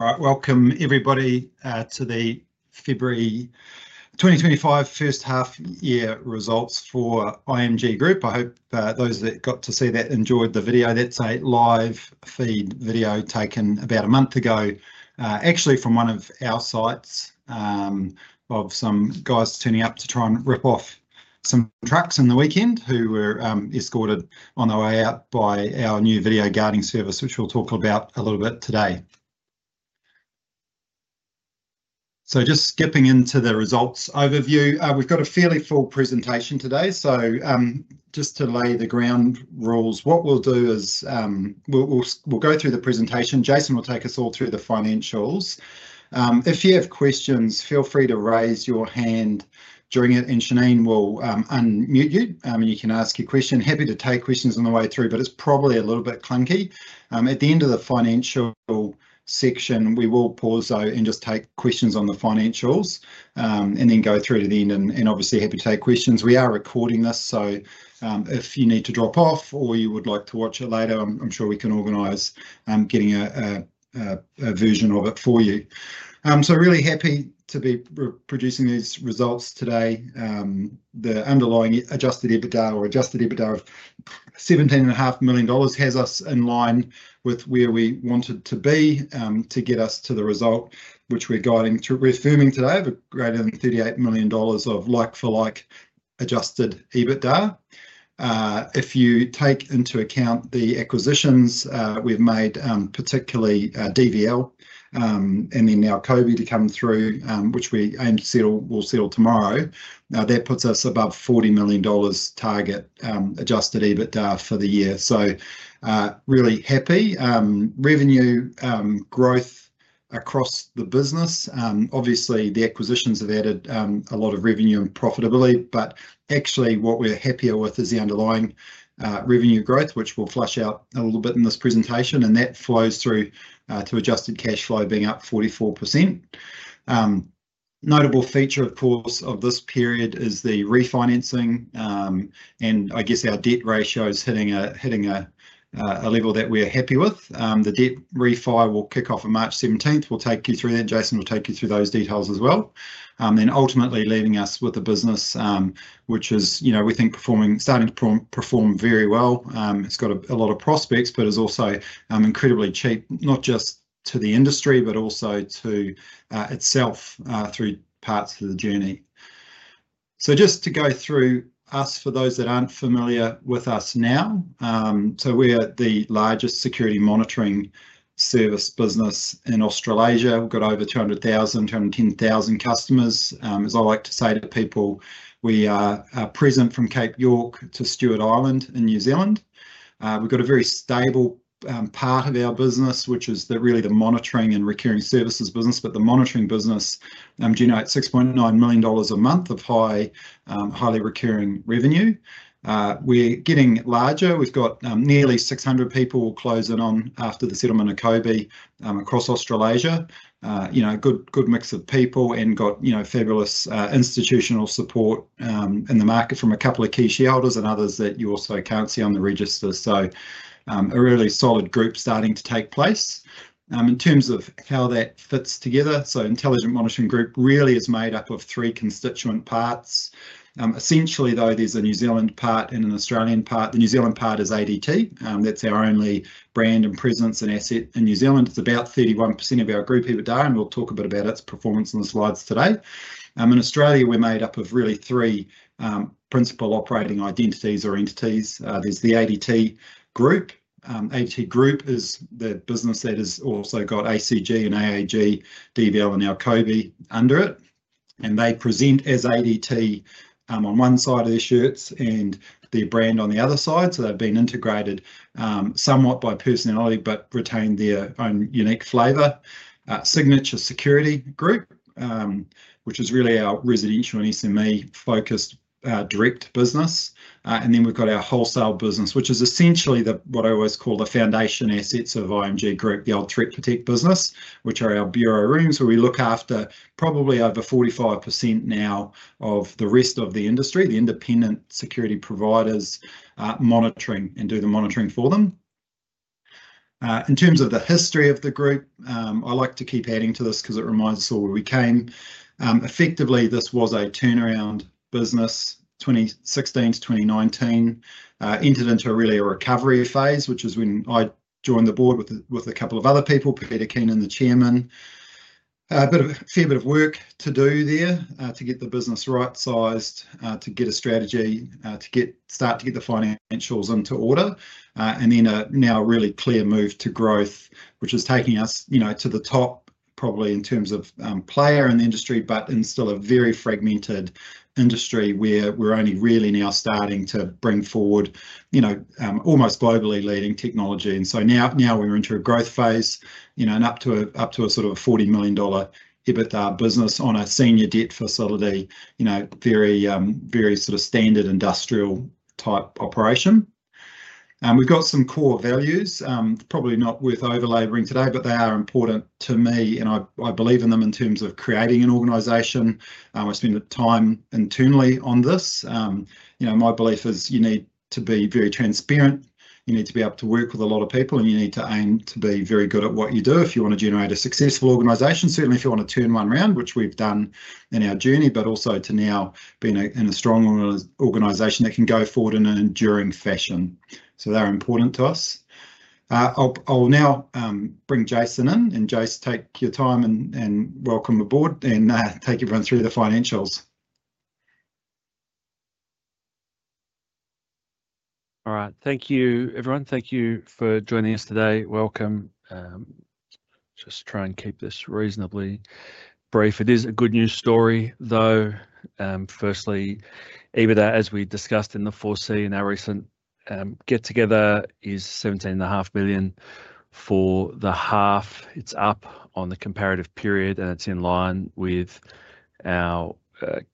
Right, welcome everybody to the February 2025 first half year results for IMG Group. I hope those that got to see that enjoyed the video. That is a live feed video taken about a month ago, actually from one of our sites, of some guys turning up to try and rip off some trucks in the weekend who were escorted on the way out by our new video guarding service, which we will talk about a little bit today. Just skipping into the results overview, we have got a fairly full presentation today. Just to lay the ground rules, what we will do is we will go through the presentation. Jason will take us all through the financials. If you have questions, feel free to raise your hand during it, and Shenin will unmute you, and you can ask your question. Happy to take questions on the way through, but it's probably a little bit clunky. At the end of the financial section, we will pause though and just take questions on the financials and then go through to the end and obviously happy to take questions. We are recording this, so if you need to drop off or you would like to watch it later, I'm sure we can organize getting a version of it for you. Really happy to be producing these results today. The underlying Adjusted EBITDA or Adjusted EBITDA of 17.5 million dollars has us in line with where we wanted to be to get us to the result which we're guiding to. We're filming today of a greater than 38 million dollars of like-for-like Adjusted EBITDA. If you take into account the acquisitions we've made, particularly DVL and then now KOBE to come through, which we aim to settle, we'll settle tomorrow. Now that puts us above 40 million dollars target Adjusted EBITDA for the year. Really happy. Revenue growth across the business, obviously the acquisitions have added a lot of revenue and profitability, but actually what we're happier with is the underlying revenue growth, which will flush out a little bit in this presentation, and that flows through to adjusted cash flow being up 44%. Notable feature, of course, of this period is the refinancing, and I guess our debt ratio is hitting a level that we're happy with. The debt refi will kick off on March 17. We'll take you through that. Jason will take you through those details as well. Ultimately leaving us with the business, which is, you know, we think performing, starting to perform very well. It's got a lot of prospects, but is also incredibly cheap, not just to the industry, but also to itself through parts of the journey. Just to go through us for those that aren't familiar with us now. We are the largest security monitoring service business in Australasia. We've got over 200,000, 210,000 customers. As I like to say to people, we are present from Cape York to Stewart Island in New Zealand. We've got a very stable part of our business, which is really the monitoring and recurring services business, but the monitoring business generates 6.9 million dollars a month of highly recurring revenue. We're getting larger. We've got nearly 600 people close in on after the settlement of KOBE across Australasia. You know, good mix of people and got, you know, fabulous institutional support in the market from a couple of key shareholders and others that you also can't see on the register. A really solid group starting to take place. In terms of how that fits together, Intelligent Monitoring Group really is made up of three constituent parts. Essentially though, there's a New Zealand part and an Australian part. The New Zealand part is ADT. That's our only brand and presence and asset in New Zealand. It's about 31% of our group EBITDA, and we'll talk a bit about its performance on the slides today. In Australia, we're made up of really three principal operating identities or entities. There's the ADT Group. ADT Group is the business that has also got ACG and AAG, DVL, and now KOBE under it. They present as ADT on one side of their shirts and their brand on the other side. They've been integrated somewhat by personality, but retained their own unique flavour. Signature Security Group, which is really our residential and SME focused direct business. Then we've got our wholesale business, which is essentially what I always call the foundation assets of IMG Group, the old threat protect business, which are our bureau rooms where we look after probably over 45% now of the rest of the industry, the independent security providers monitoring and do the monitoring for them. In terms of the history of the group, I like to keep adding to this because it reminds us all where we came. Effectively, this was a turnaround business, 2016-2019, entered into really a recovery phase, which is when I joined the board with a couple of other people, Peter Keenan, the chairman. A fair bit of work to do there to get the business right sized, to get a strategy, to start to get the financials into order. Now a really clear move to growth, which is taking us, you know, to the top probably in terms of player in the industry, but in still a very fragmented industry where we're only really now starting to bring forward, you know, almost globally leading technology. Now we're into a growth phase, you know, and up to a sort of 40 million dollar EBITDA business on a senior debt facility, you know, very, very sort of standard industrial type operation. We've got some core values. Probably not worth overlapping today, but they are important to me, and I believe in them in terms of creating an organization. I spend time internally on this. You know, my belief is you need to be very transparent. You need to be able to work with a lot of people, and you need to aim to be very good at what you do if you want to generate a successful organization. Certainly, if you want to turn one around, which we have done in our journey, but also to now being in a strong organization that can go forward in an enduring fashion. They are important to us. I will now bring Jason in, and Jason, take your time and welcome the board and take everyone through the financials. All right, thank you everyone. Thank you for joining us today. Welcome. Just try and keep this reasonably brief. It is a good news story though. Firstly, EBITDA, as we discussed in the foresee in our recent get together, is 17.5 million for the half. It's up on the comparative period, and it's in line with our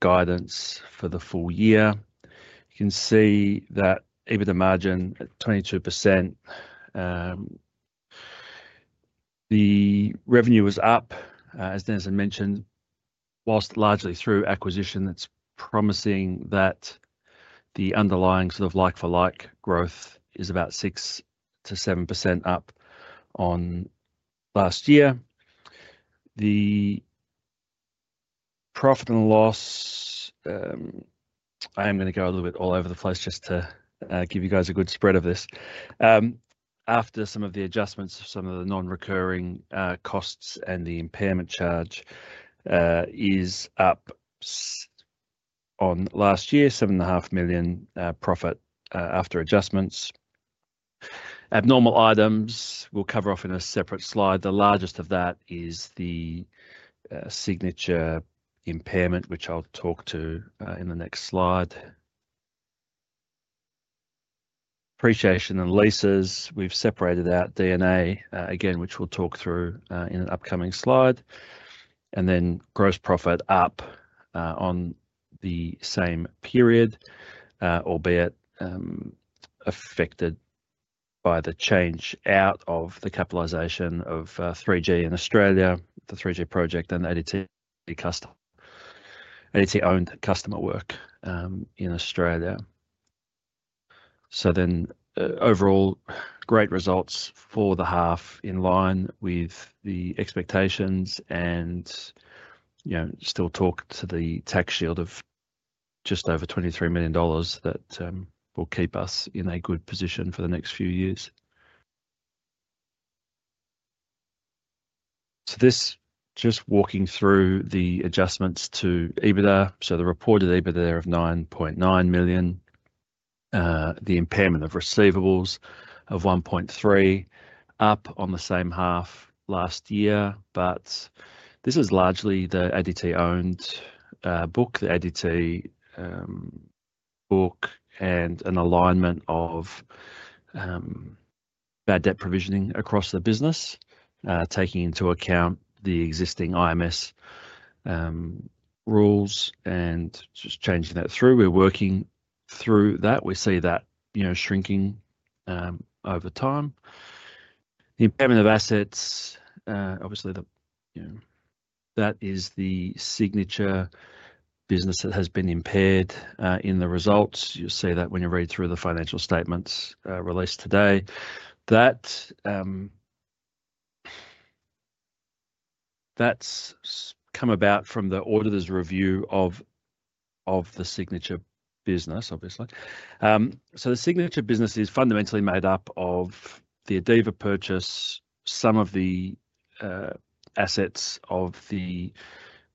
guidance for the full year. You can see that EBITDA margin at 22%. The revenue was up, as Dennis had mentioned, whilst largely through acquisition. It's promising that the underlying sort of like-for-like growth is about 6%-7% up on last year. The profit and loss, I am going to go a little bit all over the place just to give you guys a good spread of this. After some of the adjustments, some of the non-recurring costs and the impairment charge is up on last year, 7.5 million profit after adjustments. Abnormal items we'll cover off in a separate slide. The largest of that is the Signature impairment, which I'll talk to in the next slide. Depreciation and leases, we've separated out D&A again, which we'll talk through in an upcoming slide. Gross profit up on the same period, albeit affected by the change out of the capitalization of 3G in Australia, the 3G project and ADT-owned customer work in Australia. Overall, great results for the half in line with the expectations and, you know, still talk to the tax shield of just over 23 million dollars that will keep us in a good position for the next few years. This just walking through the adjustments to EBITDA. The reported EBITDA there of 9.9 million, the impairment of receivables of 1.3 million up on the same half last year. This is largely the ADT-owned book, the ADT book and an alignment of bad debt provisioning across the business, taking into account the existing IMS rules and just changing that through. We're working through that. We see that, you know, shrinking over time. The impairment of assets, obviously, you know, that is the Signature business that has been impaired in the results. You'll see that when you read through the financial statements released today. That's come about from the auditor's review of the Signature business, obviously. The Signature business is fundamentally made up of the Adeva purchase, some of the assets of the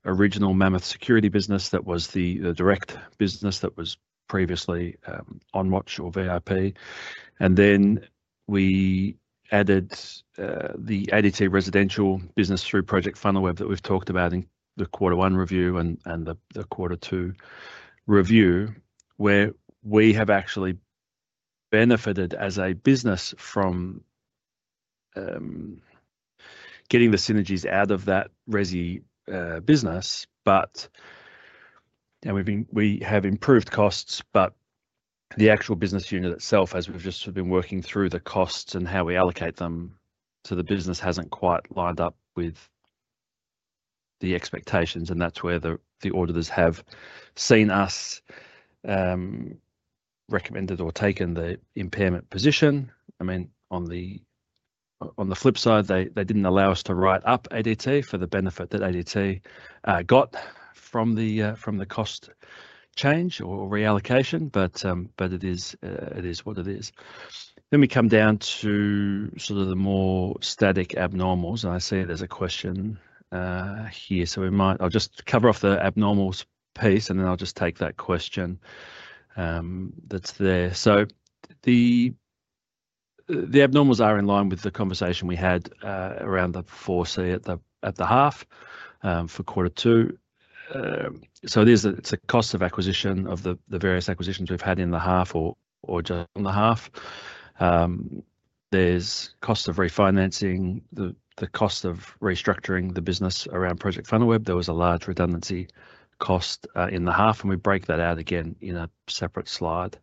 original Mammoth Security business that was the direct business that was previously On Watch or VIP. We added the ADT residential business through Project Funnel Web that we've talked about in the quarter one review and the quarter two review, where we have actually benefited as a business from getting the synergies out of that resi business. Now we have improved costs, but the actual business unit itself, as we've just been working through the costs and how we allocate them to the business, hasn't quite lined up with the expectations. That is where the auditors have seen us recommended or taken the impairment position. I mean, on the flip side, they didn't allow us to write up ADT for the benefit that ADT got from the cost change or reallocation, but it is what it is. We come down to sort of the more static abnormals, and I see it as a question here. We might, I'll just cover off the abnormals piece, and then I'll just take that question that's there. The abnormals are in line with the conversation we had around the foresee at the half for quarter two. It's a cost of acquisition of the various acquisitions we've had in the half or just in the half. There's cost of refinancing, the cost of restructuring the business around Project Funnel Web. There was a large redundancy cost in the half, and we break that out again in a separate slide.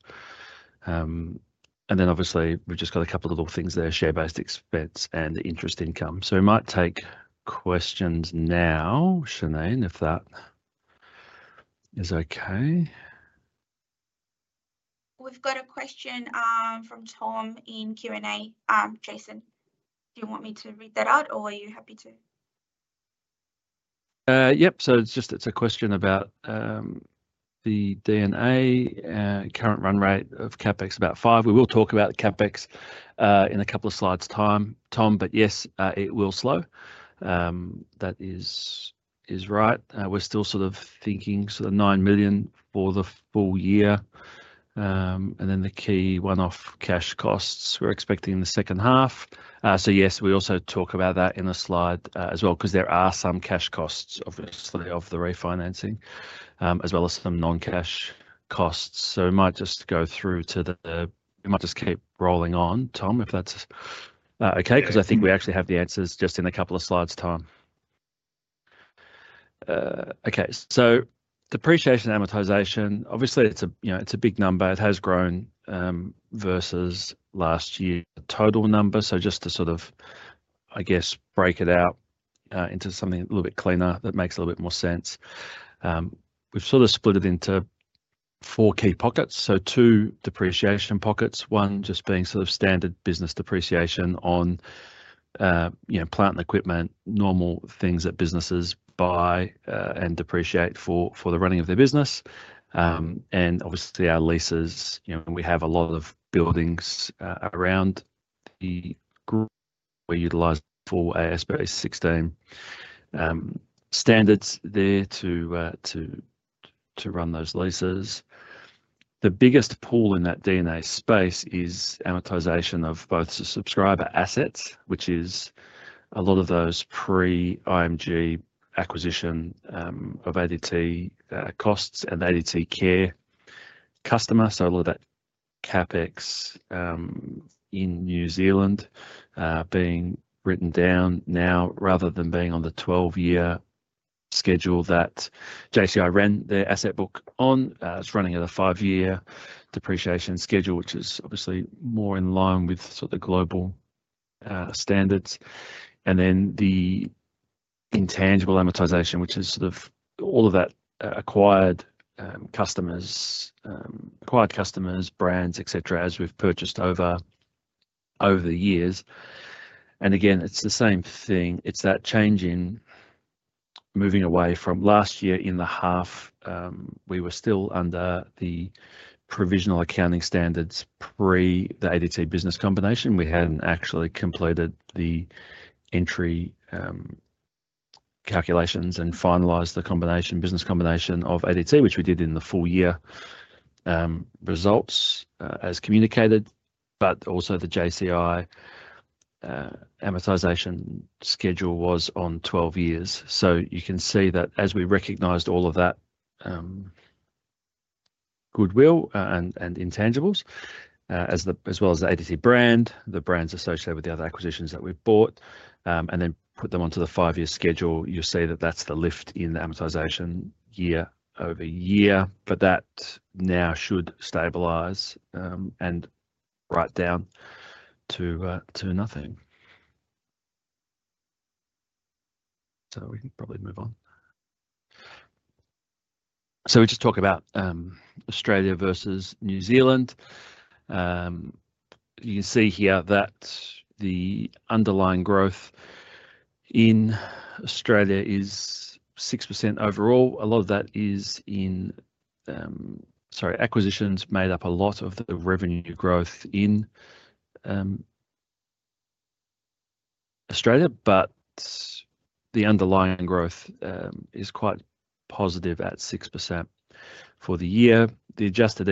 Obviously we've just got a couple of little things there, share-based expense and interest income. We might take questions now, Shenin, if that is okay. We've got a question from Tom in Q&A. Jason, do you want me to read that out or are you happy to? Yep. It is just, it is a question about the DNA current run rate of CapEx, about five. We will talk about CapEx in a couple of slides' time, Tom, but yes, it will slow. That is right. We are still sort of thinking sort of 9 million for the full year. The key one-off cash costs we are expecting in the second half. Yes, we also talk about that in a slide as well, because there are some cash costs, obviously of the refinancing, as well as some non-cash costs. We might just go through to the, we might just keep rolling on, Tom, if that is okay, because I think we actually have the answers just in a couple of slides' time. Okay. Depreciation amortization, obviously it is a, you know, it is a big number. It has grown versus last year's total number. Just to sort of, I guess, break it out into something a little bit cleaner that makes a little bit more sense. We've sort of split it into four key pockets. Two depreciation pockets, one just being sort of standard business depreciation on, you know, plant and equipment, normal things that businesses buy and depreciate for the running of their business. Obviously our leases, you know, we have a lot of buildings around the group we utilize for ASB 16 standards there to run those leases. The biggest pool in that DNA space is amortization of both the subscriber assets, which is a lot of those pre-IMG acquisition of ADT costs and ADT care customer. A lot of that CapEx in New Zealand being written down now rather than being on the 12-year schedule that JCI ran their asset book on. It's running at a five-year depreciation schedule, which is obviously more in line with sort of the global standards. The intangible amortization, which is sort of all of that acquired customers, acquired customers, brands, etc, as we've purchased over the years. Again, it's the same thing. It's that change in moving away from last year in the half. We were still under the provisional accounting standards pre the ADT business combination. We hadn't actually completed the entry calculations and finalized the business combination of ADT, which we did in the full year results as communicated. Also, the JCI amortization schedule was on 12 years. You can see that as we recognized all of that goodwill and intangibles, as well as the ADT brand, the brands associated with the other acquisitions that we've bought, and then put them onto the five-year schedule, you'll see that that's the lift in the amortization year-over-year. That now should stabilize and write down to nothing. We can probably move on. We just talk about Australia versus New Zealand. You can see here that the underlying growth in Australia is 6% overall. A lot of that is in, sorry, acquisitions made up a lot of the revenue growth in Australia. The underlying growth is quite positive at 6% for the year. The Adjusted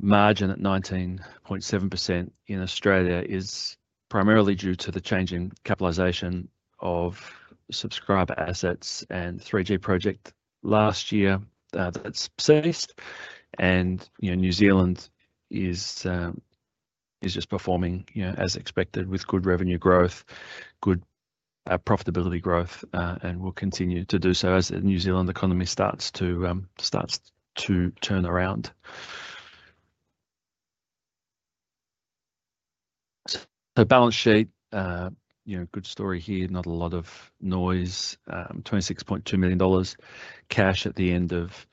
EBITDA margin at 19.7% in Australia is primarily due to the changing capitalization of subscriber assets and 3G project last year that's ceased. You know, New Zealand is just performing, you know, as expected with good revenue growth, good profitability growth, and will continue to do so as the New Zealand economy starts to turn around. Balance sheet, you know, good story here, not a lot of noise, 26.2 million dollars cash at the end of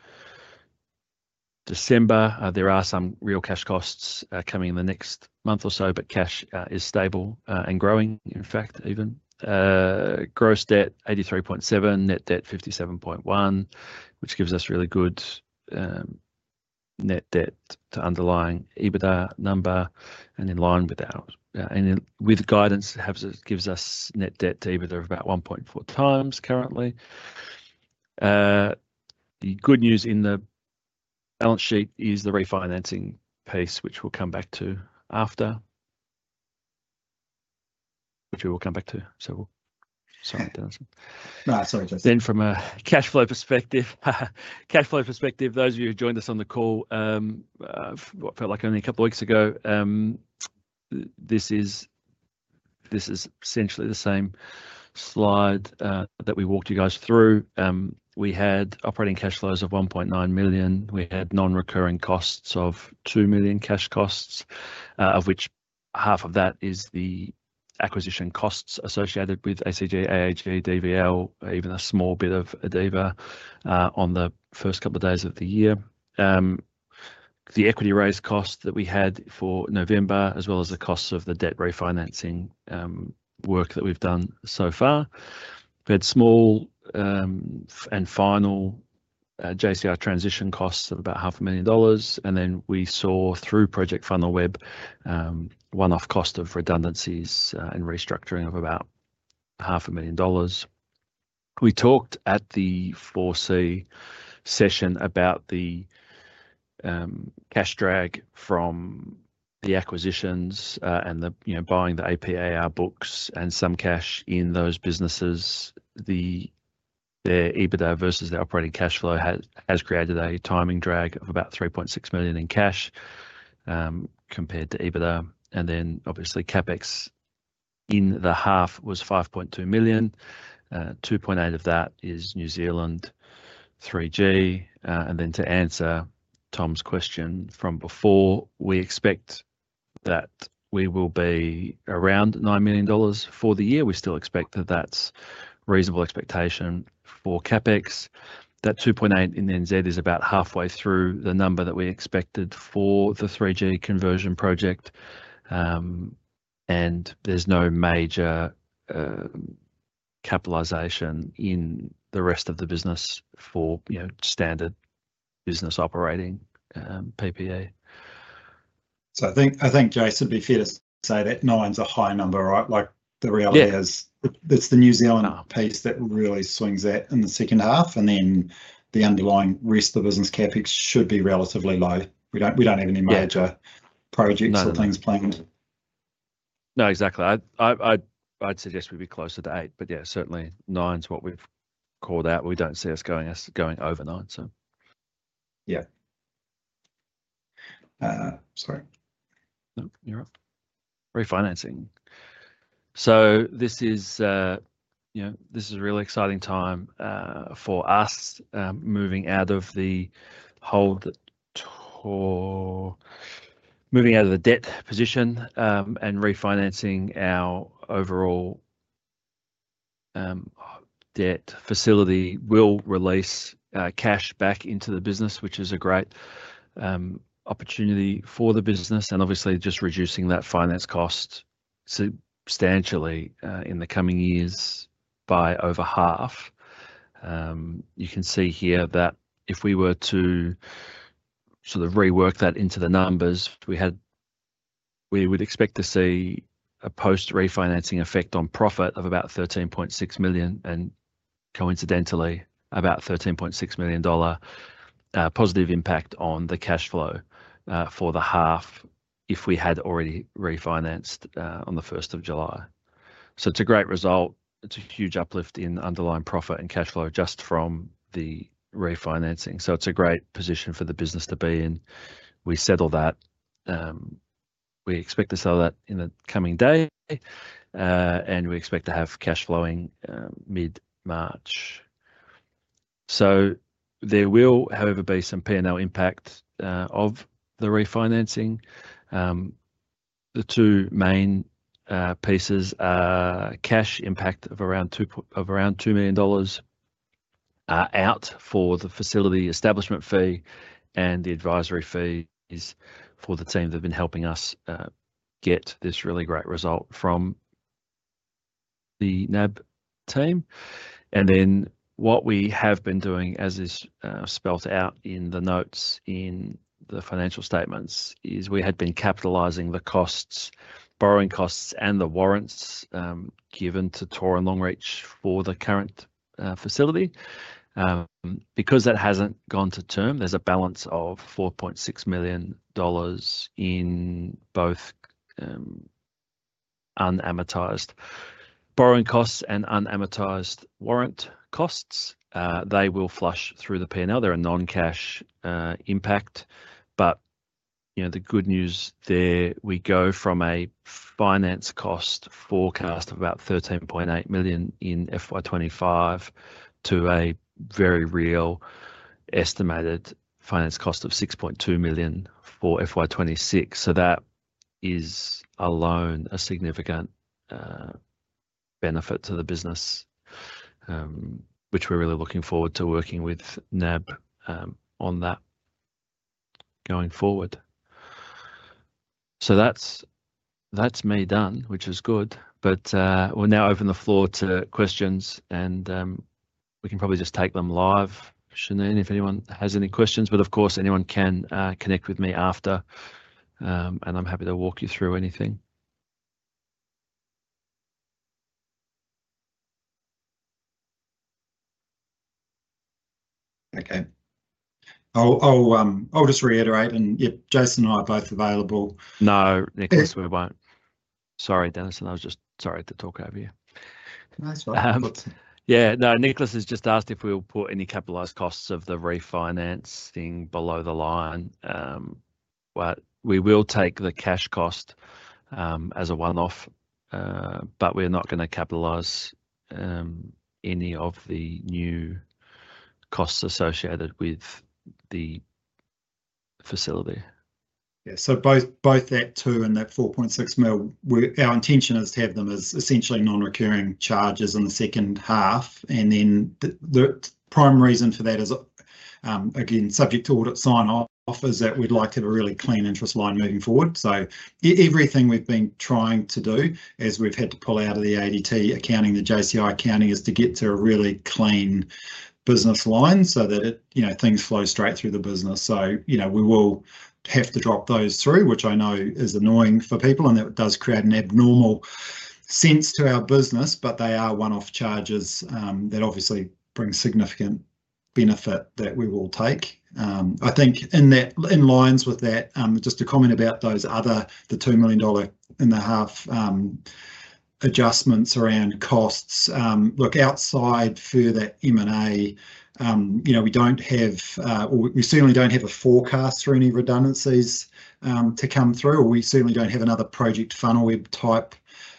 December. There are some real cash costs coming in the next month or so, but cash is stable and growing, in fact, even. Gross debt 83.7 million, net debt 57.1 million, which gives us really good net debt to underlying EBITDA number and in line with our, and with guidance gives us net debt to EBITDA of about 1.4x currently. The good news in the balance sheet is the refinancing piece, which we will come back to after, which we will come back to. Sorry, Dennis. No, sorry, Jason. From a cash flow perspective, those of you who joined us on the call, what felt like only a couple of weeks ago, this is essentially the same slide that we walked you guys through. We had operating cash flows of 1.9 million. We had non-recurring costs of 2 million cash costs, of which half of that is the acquisition costs associated with ACG, AAG, DVL, even a small bit of ADT on the first couple of days of the year. The equity raise costs that we had for November, as well as the costs of the debt refinancing work that we've done so far. We had small and final JCI transition costs of about 500,000 dollars. We saw through Project Funnel Web, one-off cost of redundancies and restructuring of about 500,000 dollars. We talked at the foresee session about the cash drag from the acquisitions and the, you know, buying the APAR books and some cash in those businesses. Their EBITDA versus their operating cash flow has created a timing drag of about 3.6 million in cash compared to EBITDA. Obviously, CapEx in the half was 5.2 million. 2.8 million of that is New Zealand 3G. To answer Tom's question from before, we expect that we will be around 9 million dollars for the year. We still expect that that is a reasonable expectation for CapEx. That 2.8 million in New Zealand is about halfway through the number that we expected for the 3G conversion project. There is no major capitalisation in the rest of the business for, you know, standard business operating PPE. I think, I think Jason would be fair to say that nine's a high number, right? Like the reality is it's the New Zealand piece that really swings out in the second half. And then the underlying rest of the business CapEx should be relatively low. We don't, we don't have any major projects or things planned. No, exactly. I'd suggest we'd be closer to eight, but yeah, certainly nine's what we've called out. We don't see us going over nine. Yeah. Sorry. No, you're up. Refinancing. This is, you know, this is a really exciting time for us moving out of the hold, moving out of the debt position and refinancing our overall debt facility will release cash back into the business, which is a great opportunity for the business. Obviously just reducing that finance cost substantially in the coming years by over half. You can see here that if we were to sort of rework that into the numbers, we had, we would expect to see a post refinancing effect on profit of about 13.6 million and coincidentally about 13.6 million dollar positive impact on the cash flow for the half if we had already refinanced on the 1st of July. It is a great result. It is a huge uplift in underlying profit and cash flow just from the refinancing. It is a great position for the business to be in. We settle that. We expect to settle that in the coming day. We expect to have cash flowing mid-March. There will, however, be some P&L impact of the refinancing. The two main pieces are cash impact of around 2 million dollars out for the facility establishment fee and the advisory fees for the team that have been helping us get this really great result from the NAB team. What we have been doing, as is spelt out in the notes in the financial statements, is we had been capitalizing the costs, borrowing costs and the warrants given to Tor and Longreach for the current facility. Because that has not gone to term, there is a balance of 4.6 million dollars in both unamortized borrowing costs and unamortized warrant costs. They will flush through the P&L. They are a non-cash impact. But, you know, the good news there, we go from a finance cost forecast of about 13.8 million in FY 2025 to a very real estimated finance cost of 6.2 million for FY 2026. That is alone a significant benefit to the business, which we're really looking forward to working with NAB on that going forward. That's me done, which is good. We'll now open the floor to questions and we can probably just take them live, Shenin, if anyone has any questions. Of course, anyone can connect with me after and I'm happy to walk you through anything. Okay. I'll just reiterate and if Jason and I are both available. No, Nicholas, we won't. Sorry, Dennis, and I was just sorry to talk over you. That's fine. Yeah. No, Nicholas has just asked if we'll put any capitalized costs of the refinancing below the line. We will take the cash cost as a one-off, but we're not going to capitalize any of the new costs associated with the facility. Yeah. Both that 2 million and that 4.6 million, our intention is to have them as essentially non-recurring charges in the second half. The prime reason for that is, again, subject to audit sign-off, we would like to have a really clean interest line moving forward. Everything we have been trying to do as we have had to pull out of the ADT accounting, the JCI accounting, is to get to a really clean business line so that it, you know, things flow straight through the business. You know, we will have to drop those through, which I know is annoying for people and that does create an abnormal sense to our business, but they are one-off charges that obviously bring significant benefit that we will take. I think in that, in lines with that, just a comment about those other, the 2.5 million dollar adjustments around costs. Look, outside for that M&A, you know, we do not have, or we certainly do not have a forecast for any redundancies to come through, or we certainly do not have another project funnel type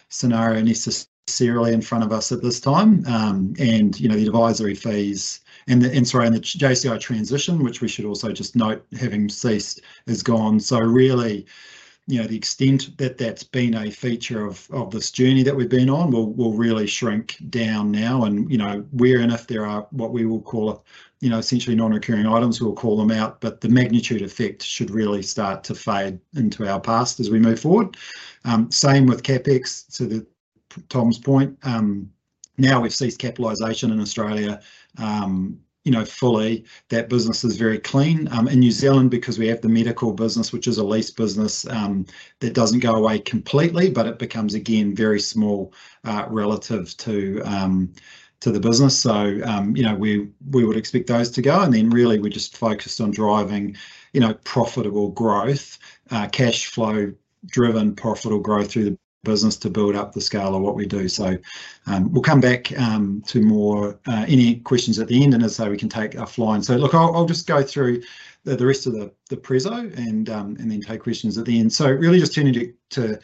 scenario necessarily in front of us at this time. You know, the advisory fees and the, and sorry, and the JCI transition, which we should also just note having ceased, is gone. Really, you know, the extent that that has been a feature of this journey that we have been on will really shrink down now. You know, if there are what we will call, you know, essentially non-recurring items, we will call them out. The magnitude effect should really start to fade into our past as we move forward. Same with CapEx. To Tom's point, now we've ceased capitalisation in Australia, you know, fully. That business is very clean in New Zealand because we have the medical business, which is a lease business that does not go away completely, but it becomes again very small relative to the business. You know, we would expect those to go. Really, we are just focused on driving, you know, profitable growth, cash flow driven profitable growth through the business to build up the scale of what we do. We will come back to more any questions at the end and as I say, we can take offline. Look, I will just go through the rest of the Prezzo and then take questions at the end. Really just turning to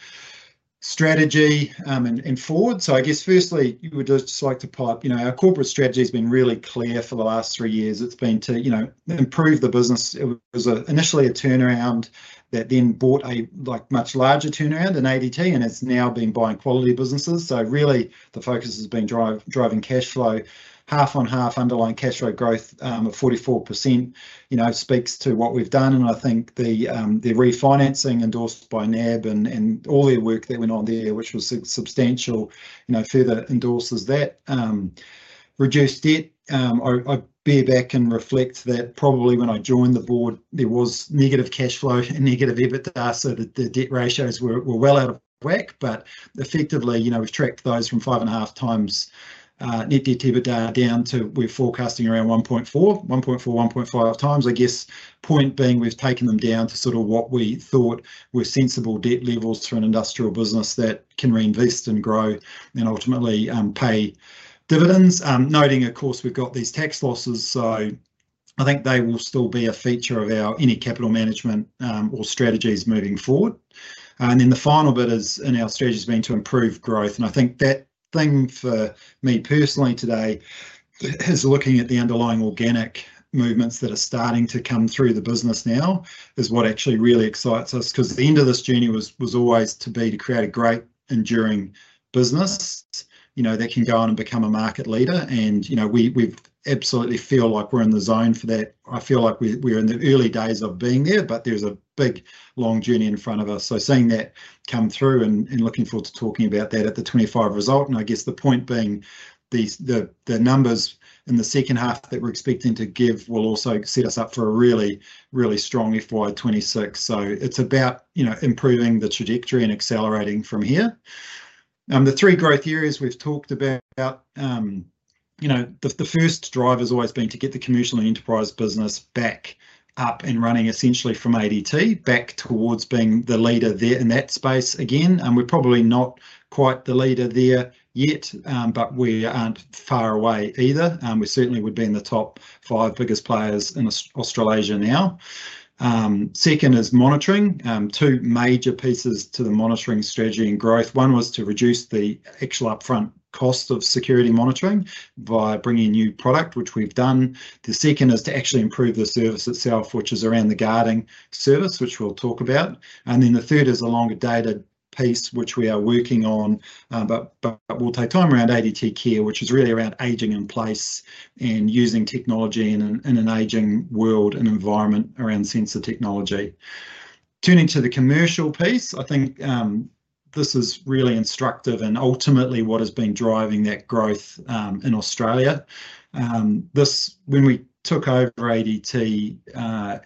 strategy and forward. I guess firstly you would just like to pull up, you know, our corporate strategy has been really clear for the last three years. It's been to, you know, improve the business. It was initially a turnaround that then bought a much larger turnaround in ADT and has now been buying quality businesses. Really the focus has been driving cash flow half on half underlying cash flow growth of 44%, you know, speaks to what we've done. I think the refinancing endorsed by NAB and all the work that went on there, which was substantial, you know, further endorses that. Reduced debt. I bear back and reflect that probably when I joined the board, there was negative cash flow and negative EBITDA. The debt ratios were well out of whack. Effectively, you know, we've tracked those from 5.5x net debt to EBITDA down to we're forecasting around 1.4x-1.5x. I guess point being we've taken them down to sort of what we thought were sensible debt levels for an industrial business that can reinvest and grow and ultimately pay dividends. Noting, of course, we've got these tax losses. I think they will still be a feature of our any capital management or strategies moving forward. The final bit is in our strategies being to improve growth. I think that thing for me personally today is looking at the underlying organic movements that are starting to come through the business now is what actually really excites us because the end of this journey was always to be to create a great enduring business, you know, that can go on and become a market leader. You know, we absolutely feel like we're in the zone for that. I feel like we're in the early days of being there, but there's a big long journey in front of us. Seeing that come through and looking forward to talking about that at the 2025 result. I guess the point being the numbers in the second half that we're expecting to give will also set us up for a really, really strong FY 2026. It is about, you know, improving the trajectory and accelerating from here. The three growth areas we've talked about, you know, the first drive has always been to get the commercial enterprise business back up and running essentially from ADT back towards being the leader there in that space again. We are probably not quite the leader there yet, but we aren't far away either. We certainly would be in the top five biggest players in Australasia now. Second is monitoring. Two major pieces to the monitoring strategy and growth. One was to reduce the actual upfront cost of security monitoring by bringing new product, which we've done. The second is to actually improve the service itself, which is around the guarding service, which we'll talk about. The third is a longer dated piece, which we are working on, but will take time around ADT care, which is really around aging in place and using technology in an aging world and environment around sensor technology. Turning to the commercial piece, I think this is really instructive and ultimately what has been driving that growth in Australia. This, when we took over ADT,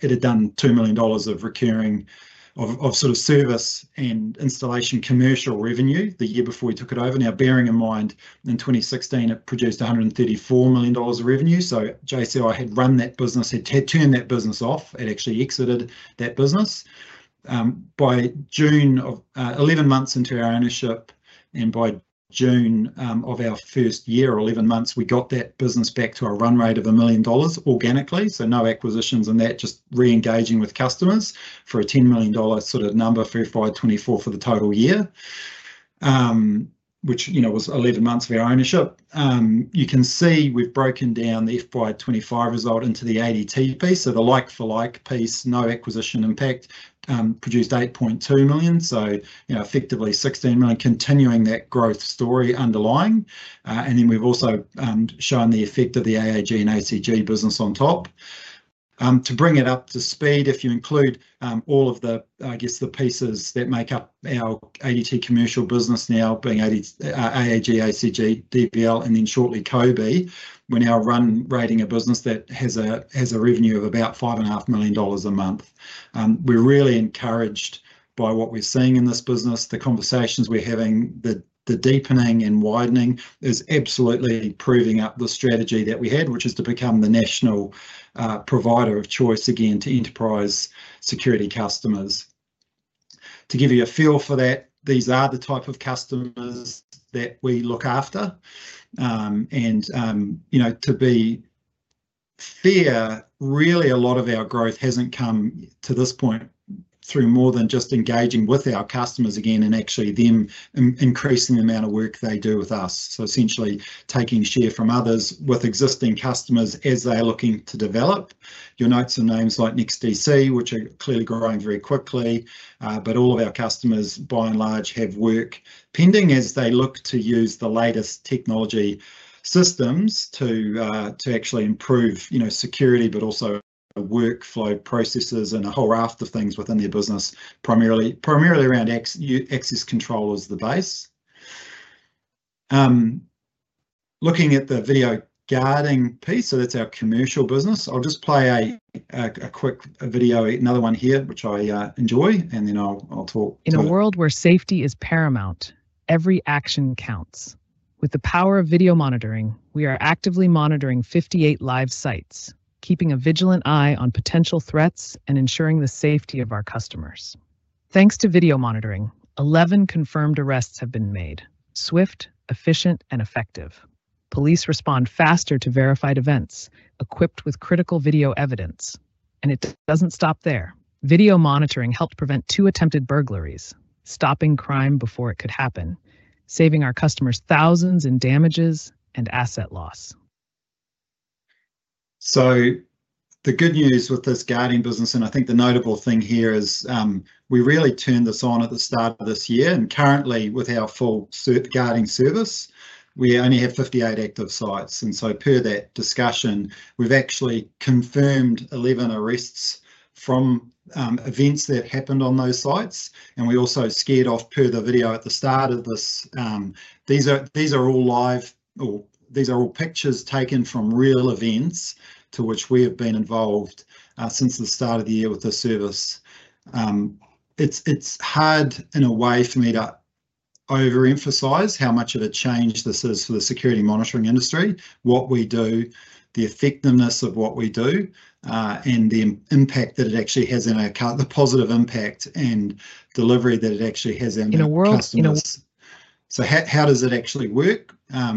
it had done 2 million dollars of recurring of sort of service and installation commercial revenue the year before we took it over. Now, bearing in mind in 2016, it produced 134 million dollars of revenue. JCI had run that business, had turned that business off, had actually exited that business. By June of 11 months into our ownership and by June of our first year or 11 months, we got that business back to a run rate of 1 million dollars organically. No acquisitions and that just re-engaging with customers for an 10 million dollar sort of number for FY 2024 for the total year, which, you know, was 11 months of our ownership. You can see we have broken down the FY 2025 result into the ADT piece. The like-for-like piece, no acquisition impact, produced 8.2 million. So, you know, effectively 16 million continuing that growth story underlying. We have also shown the effect of the AAG and ACG business on top. To bring it up to speed, if you include all of the, I guess, the pieces that make up our ADT commercial business now being AAG, ACG, DVL, and then shortly KOBE, we are now run rating a business that has a revenue of about 5.5 million dollars a month. We are really encouraged by what we are seeing in this business. The conversations we're having, the deepening and widening is absolutely proving up the strategy that we had, which is to become the national provider of choice again to enterprise security customers. To give you a feel for that, these are the type of customers that we look after. You know, to be fair, really a lot of our growth hasn't come to this point through more than just engaging with our customers again and actually them increasing the amount of work they do with us. Essentially taking share from others with existing customers as they're looking to develop. You'll notice some names like NEXTDC, which are clearly growing very quickly. All of our customers, by and large, have work pending as they look to use the latest technology systems to actually improve, you know, security, but also workflow processes and a whole raft of things within their business, primarily around access control as the base. Looking at the video guarding piece, so that's our commercial business. I'll just play a quick video, another one here, which I enjoy, and then I'll talk. In a world where safety is paramount, every action counts. With the power of video monitoring, we are actively monitoring 58 live sites, keeping a vigilant eye on potential threats and ensuring the safety of our customers. Thanks to video monitoring, 11 confirmed arrests have been made. Swift, efficient, and effective. Police respond faster to verified events, equipped with critical video evidence. It does not stop there. Video monitoring helped prevent two attempted burglaries, stopping crime before it could happen, saving our customers thousands in damages and asset loss. The good news with this guarding business, and I think the notable thing here is we really turned this on at the start of this year. Currently, with our full guarding service, we only have 58 active sites. Per that discussion, we've actually confirmed 11 arrests from events that happened on those sites. We also scared off per the video at the start of this. These are all live, or these are all pictures taken from real events to which we have been involved since the start of the year with the service. It's hard in a way for me to overemphasize how much of a change this is for the security monitoring industry, what we do, the effectiveness of what we do, and the impact that it actually has in our account, the positive impact and delivery that it actually has in our customers. In a world. How does it actually work?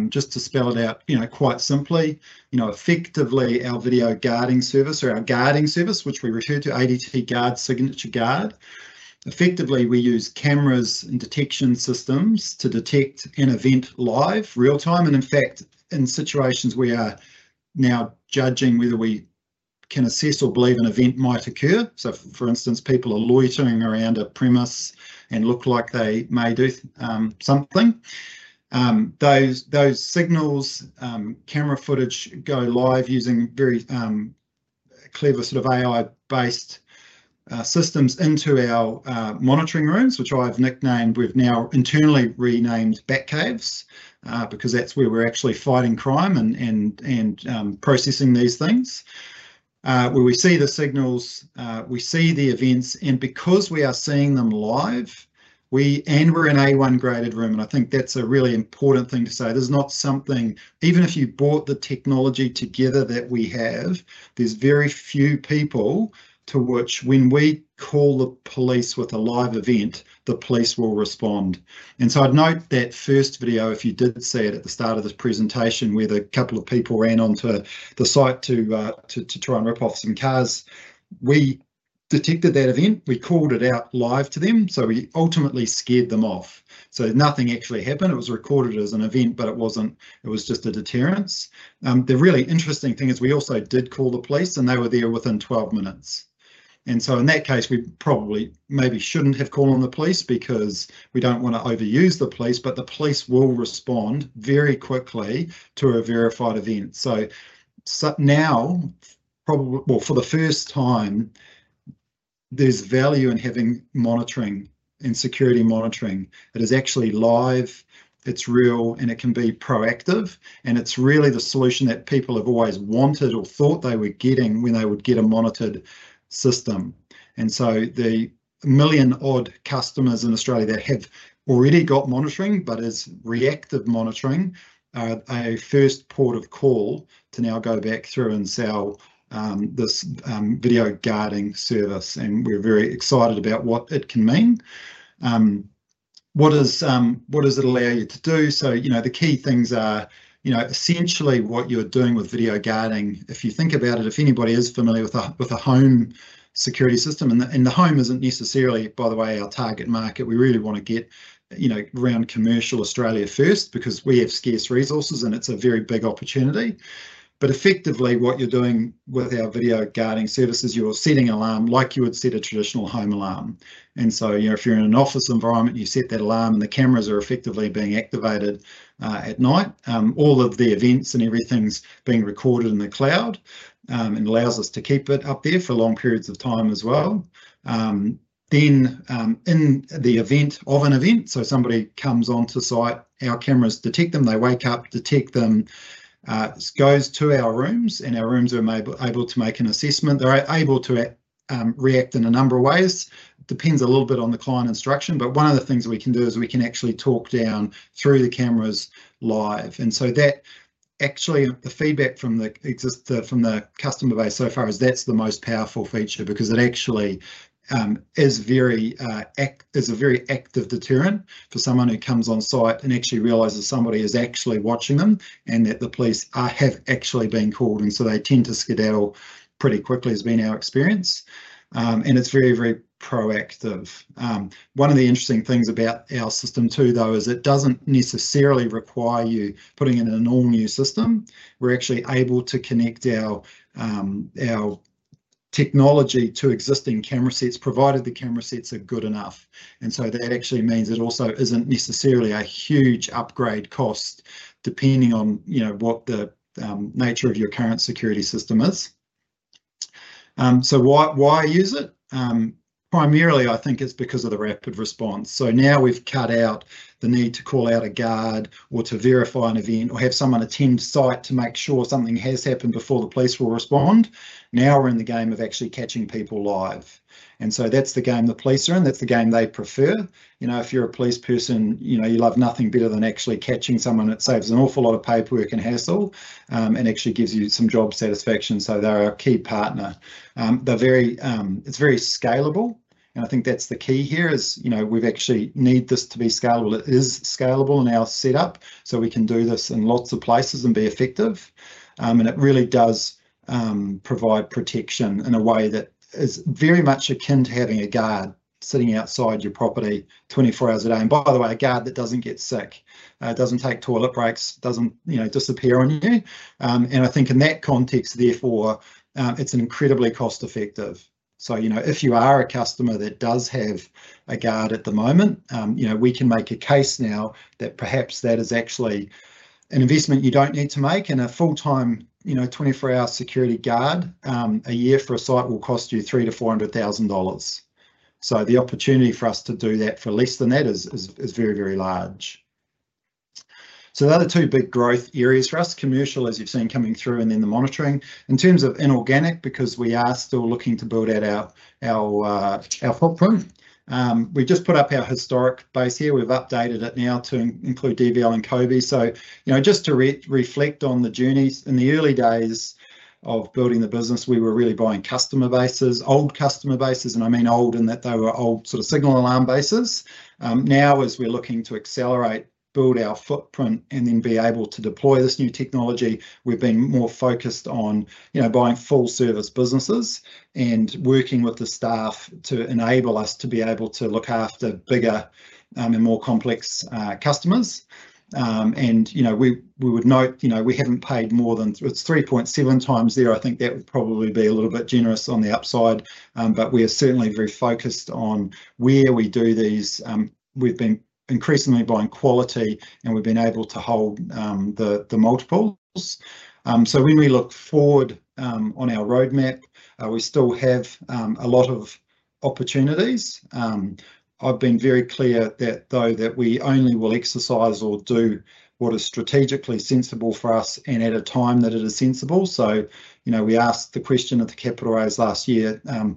Just to spell it out, you know, quite simply, you know, effectively our video guarding service or our guarding service, which we refer to as ADT Guard, Signature Guard, effectively we use cameras and detection systems to detect an event live, real time. In fact, in situations we are now judging whether we can assess or believe an event might occur. For instance, people are loitering around a premise and look like they may do something. Those signals, camera footage, go live using very clever sort of AI-based systems into our monitoring rooms, which I have nicknamed. We have now internally renamed Bat Caves because that is where we are actually fighting crime and processing these things. We see the signals, we see the events. Because we are seeing them live, we and we are in an A1 graded room. I think that's a really important thing to say. There's not something, even if you bought the technology together that we have, there's very few people to which when we call the police with a live event, the police will respond. I would note that first video, if you did see it at the start of this presentation where the couple of people ran onto the site to try and rip off some cars, we detected that event. We called it out live to them. We ultimately scared them off. Nothing actually happened. It was recorded as an event, but it wasn't, it was just a deterrence. The really interesting thing is we also did call the police and they were there within 12 minutes. In that case, we probably maybe shouldn't have called on the police because we don't want to overuse the police, but the police will respond very quickly to a verified event. Now, probably, for the first time, there's value in having monitoring and security monitoring. It is actually live, it's real, and it can be proactive. It's really the solution that people have always wanted or thought they were getting when they would get a monitored system. The million-odd customers in Australia that have already got monitoring, but as reactive monitoring, a first port of call to now go back through and sell this video guarding service. We're very excited about what it can mean. What does it allow you to do? You know, the key things are, you know, essentially what you're doing with video guarding. If you think about it, if anybody is familiar with a home security system, and the home isn't necessarily, by the way, our target market, we really want to get, you know, around commercial Australia first because we have scarce resources and it's a very big opportunity. Effectively what you're doing with our video guarding services, you're setting an alarm like you would set a traditional home alarm. You know, if you're in an office environment, you set that alarm and the cameras are effectively being activated at night. All of the events and everything's being recorded in the cloud and allows us to keep it up there for long periods of time as well. In the event of an event, so somebody comes onto site, our cameras detect them, they wake up, detect them, goes to our rooms, and our rooms are able to make an assessment. They're able to react in a number of ways. Depends a little bit on the client instruction. One of the things we can do is we can actually talk down through the cameras live. The feedback from the customer base so far is that's the most powerful feature because it actually is a very active deterrent for someone who comes on site and actually realizes somebody is actually watching them and that the police have actually been called. They tend to skedaddle pretty quickly has been our experience. It's very, very proactive. One of the interesting things about our system too, though, is it does not necessarily require you putting in an all-new system. We are actually able to connect our technology to existing camera sets, provided the camera sets are good enough. That actually means it also is not necessarily a huge upgrade cost depending on, you know, what the nature of your current security system is. Why use it? Primarily, I think it is because of the rapid response. Now we have cut out the need to call out a guard or to verify an event or have someone attend site to make sure something has happened before the police will respond. Now we are in the game of actually catching people live. That is the game the police are in. That is the game they prefer. You know, if you're a police person, you know, you love nothing better than actually catching someone. It saves an awful lot of paperwork and hassle and actually gives you some job satisfaction. They are our key partner. It is very scalable. I think that's the key here is, you know, we've actually need this to be scalable. It is scalable in our setup. We can do this in lots of places and be effective. It really does provide protection in a way that is very much akin to having a guard sitting outside your property 24 hours a day. By the way, a guard that doesn't get sick, doesn't take toilet breaks, doesn't, you know, disappear on you. I think in that context, therefore, it's incredibly cost-effective. You know, if you are a customer that does have a guard at the moment, you know, we can make a case now that perhaps that is actually an investment you don't need to make. A full-time, you know, 24-hour security guard a year for a site will cost you 300,000-400,000 dollars. The opportunity for us to do that for less than that is very, very large. The other two big growth areas for us, commercial, as you've seen coming through, and then the monitoring. In terms of inorganic, because we are still looking to build out our footprint, we just put up our historic base here. We've updated it now to include DVL and KOBE. You know, just to reflect on the journeys. In the early days of building the business, we were really buying customer bases, old customer bases. I mean old in that they were old sort of signal alarm bases. Now, as we're looking to accelerate, build our footprint, and then be able to deploy this new technology, we've been more focused on, you know, buying full-service businesses and working with the staff to enable us to be able to look after bigger and more complex customers. You know, we would note, you know, we haven't paid more than it's 3.7x there. I think that would probably be a little bit generous on the upside. We are certainly very focused on where we do these. We've been increasingly buying quality and we've been able to hold the multiples. When we look forward on our roadmap, we still have a lot of opportunities. I've been very clear that though that we only will exercise or do what is strategically sensible for us and at a time that it is sensible. You know, we asked the question at the capital raise last year to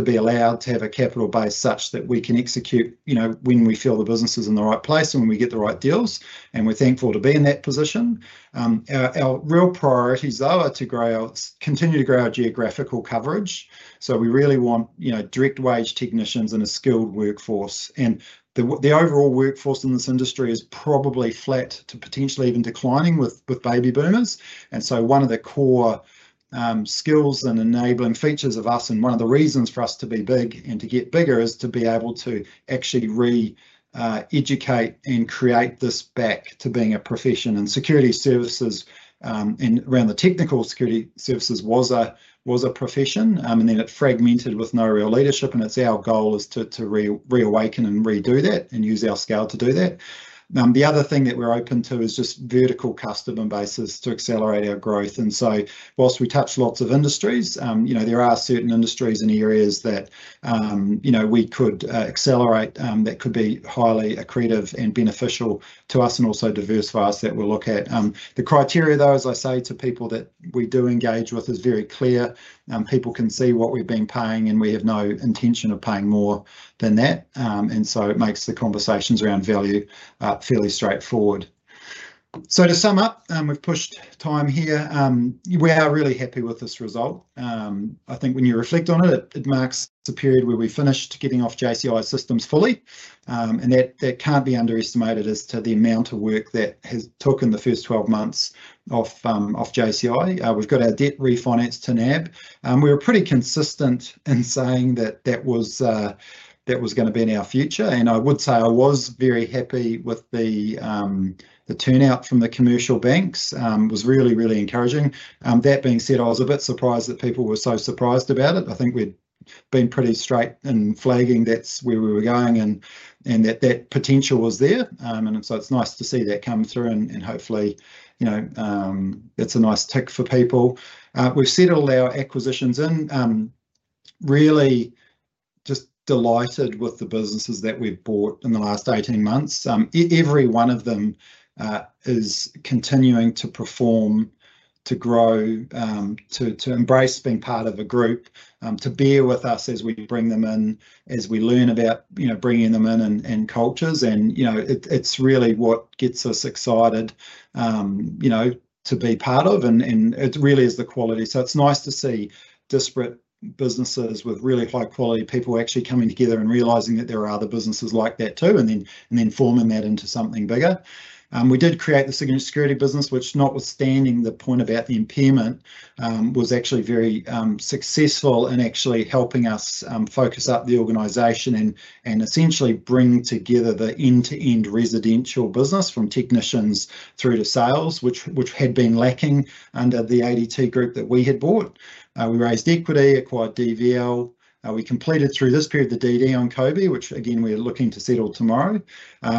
be allowed to have a capital base such that we can execute, you know, when we feel the business is in the right place and when we get the right deals. We're thankful to be in that position. Our real priorities, though, are to continue to grow our geographical coverage. We really want, you know, direct wage technicians and a skilled workforce. The overall workforce in this industry is probably flat to potentially even declining with baby boomers. One of the core skills and enabling features of us, and one of the reasons for us to be big and to get bigger, is to be able to actually re-educate and create this back to being a profession. Security services and around the technical security services was a profession, and then it fragmented with no real leadership. It is our goal to reawaken and redo that and use our scale to do that. The other thing that we are open to is just vertical customer bases to accelerate our growth. Whilst we touch lots of industries, you know, there are certain industries and areas that, you know, we could accelerate that could be highly accretive and beneficial to us and also diversify us that we will look at. The criteria, though, as I say to people that we do engage with, is very clear. People can see what we've been paying, and we have no intention of paying more than that. It makes the conversations around value fairly straightforward. To sum up, we've pushed time here. We are really happy with this result. I think when you reflect on it, it marks a period where we finished getting off JCI systems fully. That can't be underestimated as to the amount of work that has took in the first 12 months off JCI. We've got our debt refinanced to NAB. We were pretty consistent in saying that that was going to be in our future. I would say I was very happy with the turnout from the commercial banks. It was really, really encouraging. That being said, I was a bit surprised that people were so surprised about it. I think we'd been pretty straight in flagging that's where we were going and that that potential was there. It's nice to see that come through. Hopefully, you know, it's a nice tick for people. We've settled our acquisitions in. Really just delighted with the businesses that we've bought in the last 18 months. Every one of them is continuing to perform, to grow, to embrace being part of a group, to be with us as we bring them in, as we learn about, you know, bringing them in and cultures. You know, it's really what gets us excited, you know, to be part of. It really is the quality. It's nice to see disparate businesses with really high-quality people actually coming together and realizing that there are other businesses like that too, and then forming that into something bigger. We did create the Signature Security business, which, notwithstanding the point about the impairment, was actually very successful in actually helping us focus up the organization and essentially bring together the end-to-end residential business from technicians through to sales, which had been lacking under the ADT group that we had bought. We raised equity, acquired DVL. We completed through this period the DD on KOBE, which again, we are looking to settle tomorrow.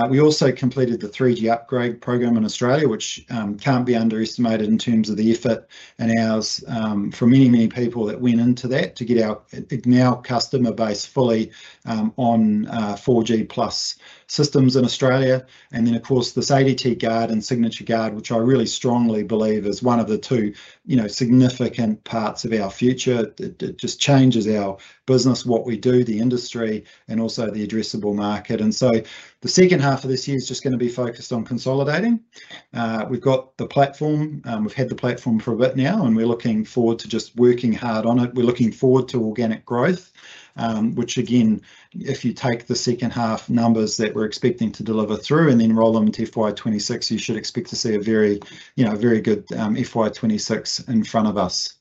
We also completed the 3G upgrade program in Australia, which cannot be underestimated in terms of the effort and hours for many, many people that went into that to get our now customer base fully on 4G plus systems in Australia. Of course, this ADT Guard and Signature Guard, which I really strongly believe is one of the two, you know, significant parts of our future. It just changes our business, what we do, the industry, and also the addressable market. The second half of this year is just going to be focused on consolidating. We've got the platform. We've had the platform for a bit now, and we're looking forward to just working hard on it. We're looking forward to organic growth, which again, if you take the second half numbers that we're expecting to deliver through and then roll them into FY 2026, you should expect to see a very, you know, very good FY 2026 in front of us.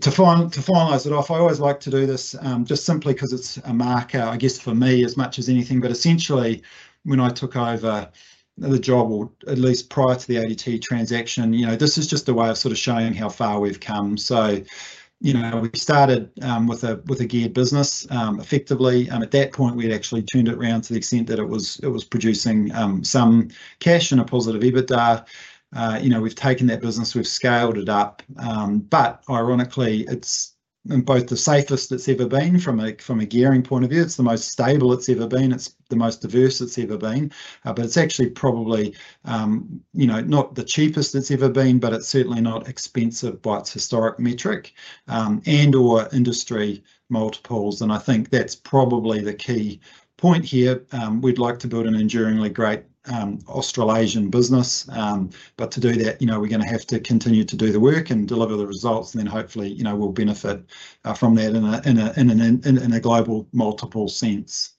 To finalize it off, I always like to do this just simply because it's a marker, I guess, for me as much as anything. Essentially, when I took over the job, or at least prior to the ADT transaction, you know, this is just a way of sort of showing how far we've come. You know, we started with a geared business effectively. At that point, we had actually turned it around to the extent that it was producing some cash and a positive EBITDA. You know, we've taken that business, we've scaled it up. Ironically, it's both the safest it's ever been from a gearing point of view. It's the most stable it's ever been. It's the most diverse it's ever been. It's actually probably, you know, not the cheapest it's ever been, but it's certainly not expensive by its historic metric and/or industry multiples. I think that's probably the key point here. We'd like to build an enduringly great Australasian business. To do that, you know, we're going to have to continue to do the work and deliver the results. Hopefully, you know, we'll benefit from that in a global multiple sense.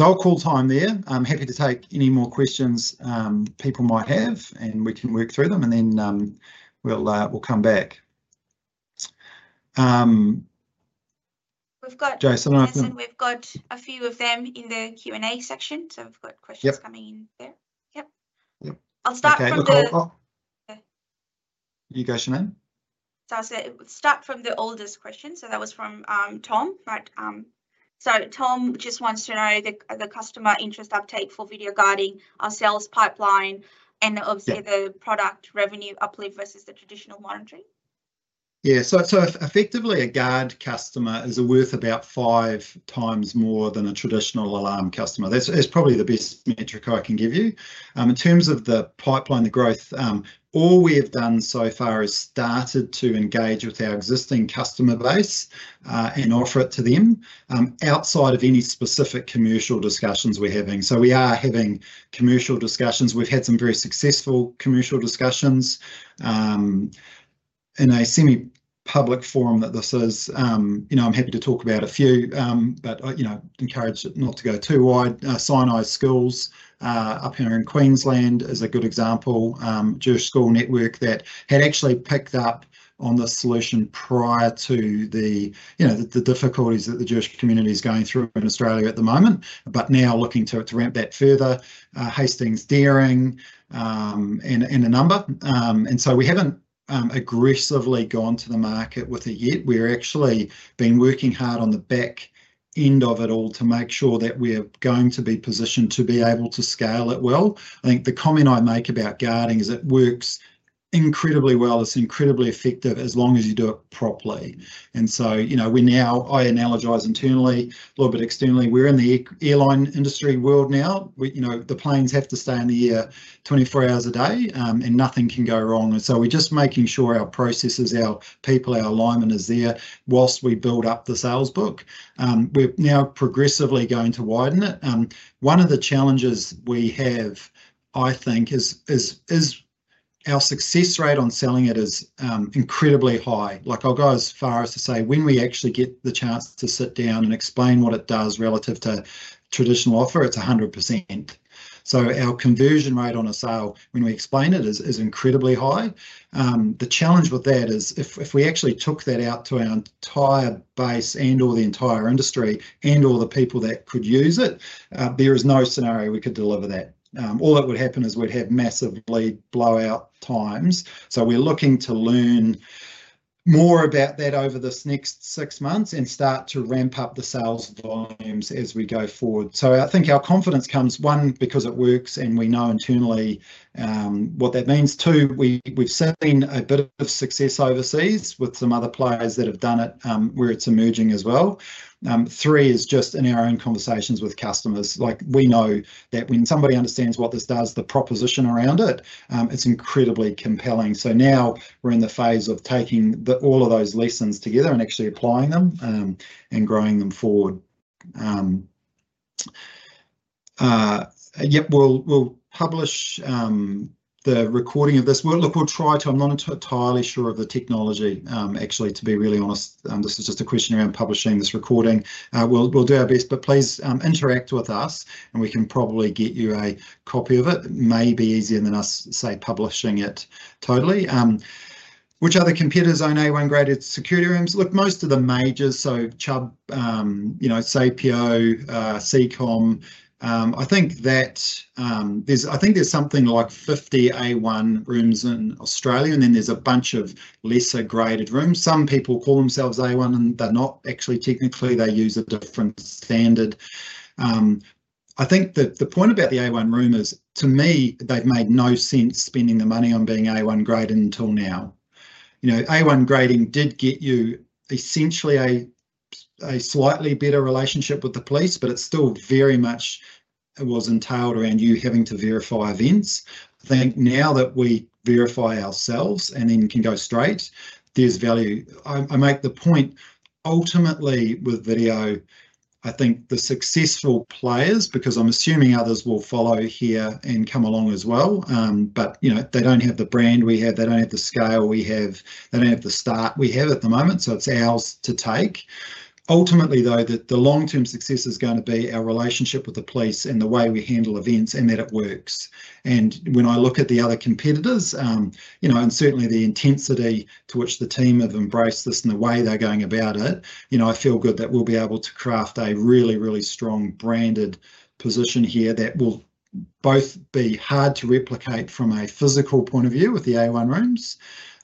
I'll call time there. I'm happy to take any more questions people might have, and we can work through them, and then we'll come back. Jason I've got a few of them in the Q&A section. We've got questions coming in there. Yep. Yep. I'll start from the... You go, Shenin. I'll say start from the oldest question. That was from Tom. Right. Tom just wants to know the customer interest uptake for video guarding, our sales pipeline, and obviously the product revenue uplift versus the traditional monitoring. Yeah. Effectively, a guard customer is worth about 5x more than a traditional alarm customer. That's probably the best metric I can give you. In terms of the pipeline, the growth, all we have done so far is started to engage with our existing customer base and offer it to them outside of any specific commercial discussions we're having. We are having commercial discussions. We've had some very successful commercial discussions. In a semi-public forum that this is, you know, I'm happy to talk about a few, but, you know, encourage it not to go too wide. Sinai Schools up here in Queensland is a good example. Jewish School Network that had actually picked up on the solution prior to the, you know, the difficulties that the Jewish community is going through in Australia at the moment, but now looking to ramp that further. Hastings Deering and a number. We haven't aggressively gone to the market with it yet. We've actually been working hard on the back end of it all to make sure that we're going to be positioned to be able to scale it well. I think the comment I make about guarding is it works incredibly well. It's incredibly effective as long as you do it properly. You know, we now, I analogize internally a little bit externally. We're in the airline industry world now. You know, the planes have to stay in the air 24 hours a day, and nothing can go wrong. We're just making sure our processes, our people, our alignment is there whilst we build up the sales book. We're now progressively going to widen it. One of the challenges we have, I think, is our success rate on selling it is incredibly high. Like I'll go as far as to say when we actually get the chance to sit down and explain what it does relative to traditional offer, it's 100%. Our conversion rate on a sale, when we explain it, is incredibly high. The challenge with that is if we actually took that out to our entire base and/or the entire industry and/or the people that could use it, there is no scenario we could deliver that. All that would happen is we'd have massive lead blowout times. We are looking to learn more about that over this next six months and start to ramp up the sales volumes as we go forward. I think our confidence comes, one, because it works and we know internally what that means. Two, we've seen a bit of success overseas with some other players that have done it where it's emerging as well. Three is just in our own conversations with customers. Like we know that when somebody understands what this does, the proposition around it, it's incredibly compelling. Now we're in the phase of taking all of those lessons together and actually applying them and growing them forward. Yep. We'll publish the recording of this. We'll try to, I'm not entirely sure of the technology, actually, to be really honest. This is just a question around publishing this recording. We'll do our best, but please interact with us, and we can probably get you a copy of it. It may be easier than us, say, publishing it totally. Which other competitors own A1 graded security rooms? Look, most of the majors, so Chubb, you know, Sapio, Seacom. I think that there's, I think there's something like 50 A1 rooms in Australia, and then there's a bunch of lesser graded rooms. Some people call themselves A1, and they're not actually technically, they use a different standard. I think that the point about the A1 room is, to me, they've made no sense spending the money on being A1 graded until now. You know, A1 grading did get you essentially a slightly better relationship with the police, but it still very much was entailed around you having to verify events. I think now that we verify ourselves and then can go straight, there's value. I make the point ultimately with video, I think the successful players, because I'm assuming others will follow here and come along as well, but, you know, they don't have the brand we have. They don't have the scale we have. They don't have the start we have at the moment. It is ours to take. Ultimately, though, the long-term success is going to be our relationship with the police and the way we handle events and that it works. When I look at the other competitors, you know, and certainly the intensity to which the team have embraced this and the way they're going about it, you know, I feel good that we'll be able to craft a really, really strong branded position here that will both be hard to replicate from a physical point of view with the A1 rooms,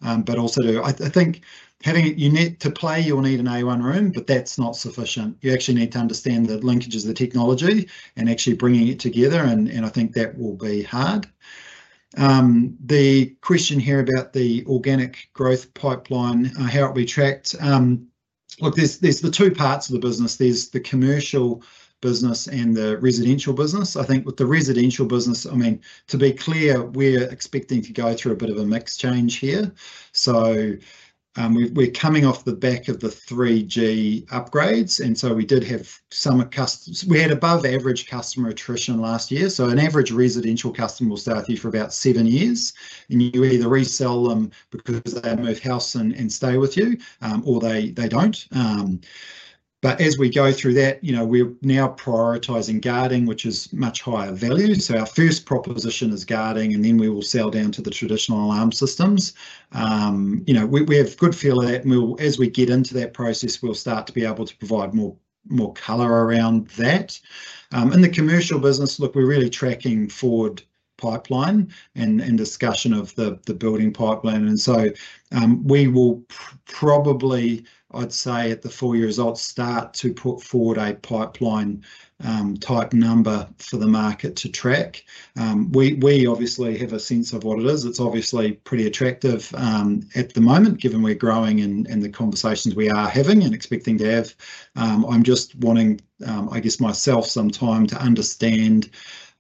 but also to, I think, having it, you need to play, you'll need an A1 room, but that's not sufficient. You actually need to understand the linkages of the technology and actually bringing it together. I think that will be hard. The question here about the organic growth pipeline, how it'll be tracked. Look, there's the two parts of the business. There's the commercial business and the residential business. I think with the residential business, I mean, to be clear, we're expecting to go through a bit of a mixed change here. We're coming off the back of the 3G upgrades. We did have some customers. We had above-average customer attrition last year. An average residential customer will stay with you for about seven years. You either resell them because they move house and stay with you, or they do not. As we go through that, you know, we're now prioritizing guarding, which is much higher value. Our first proposition is guarding, and then we will sell down to the traditional alarm systems. You know, we have a good feel of that. As we get into that process, we'll start to be able to provide more color around that. In the commercial business, look, we're really tracking forward pipeline and discussion of the building pipeline. We will probably, I'd say at the full year results, start to put forward a pipeline type number for the market to track. We obviously have a sense of what it is. It's obviously pretty attractive at the moment, given we're growing and the conversations we are having and expecting to have. I'm just wanting, I guess, myself some time to understand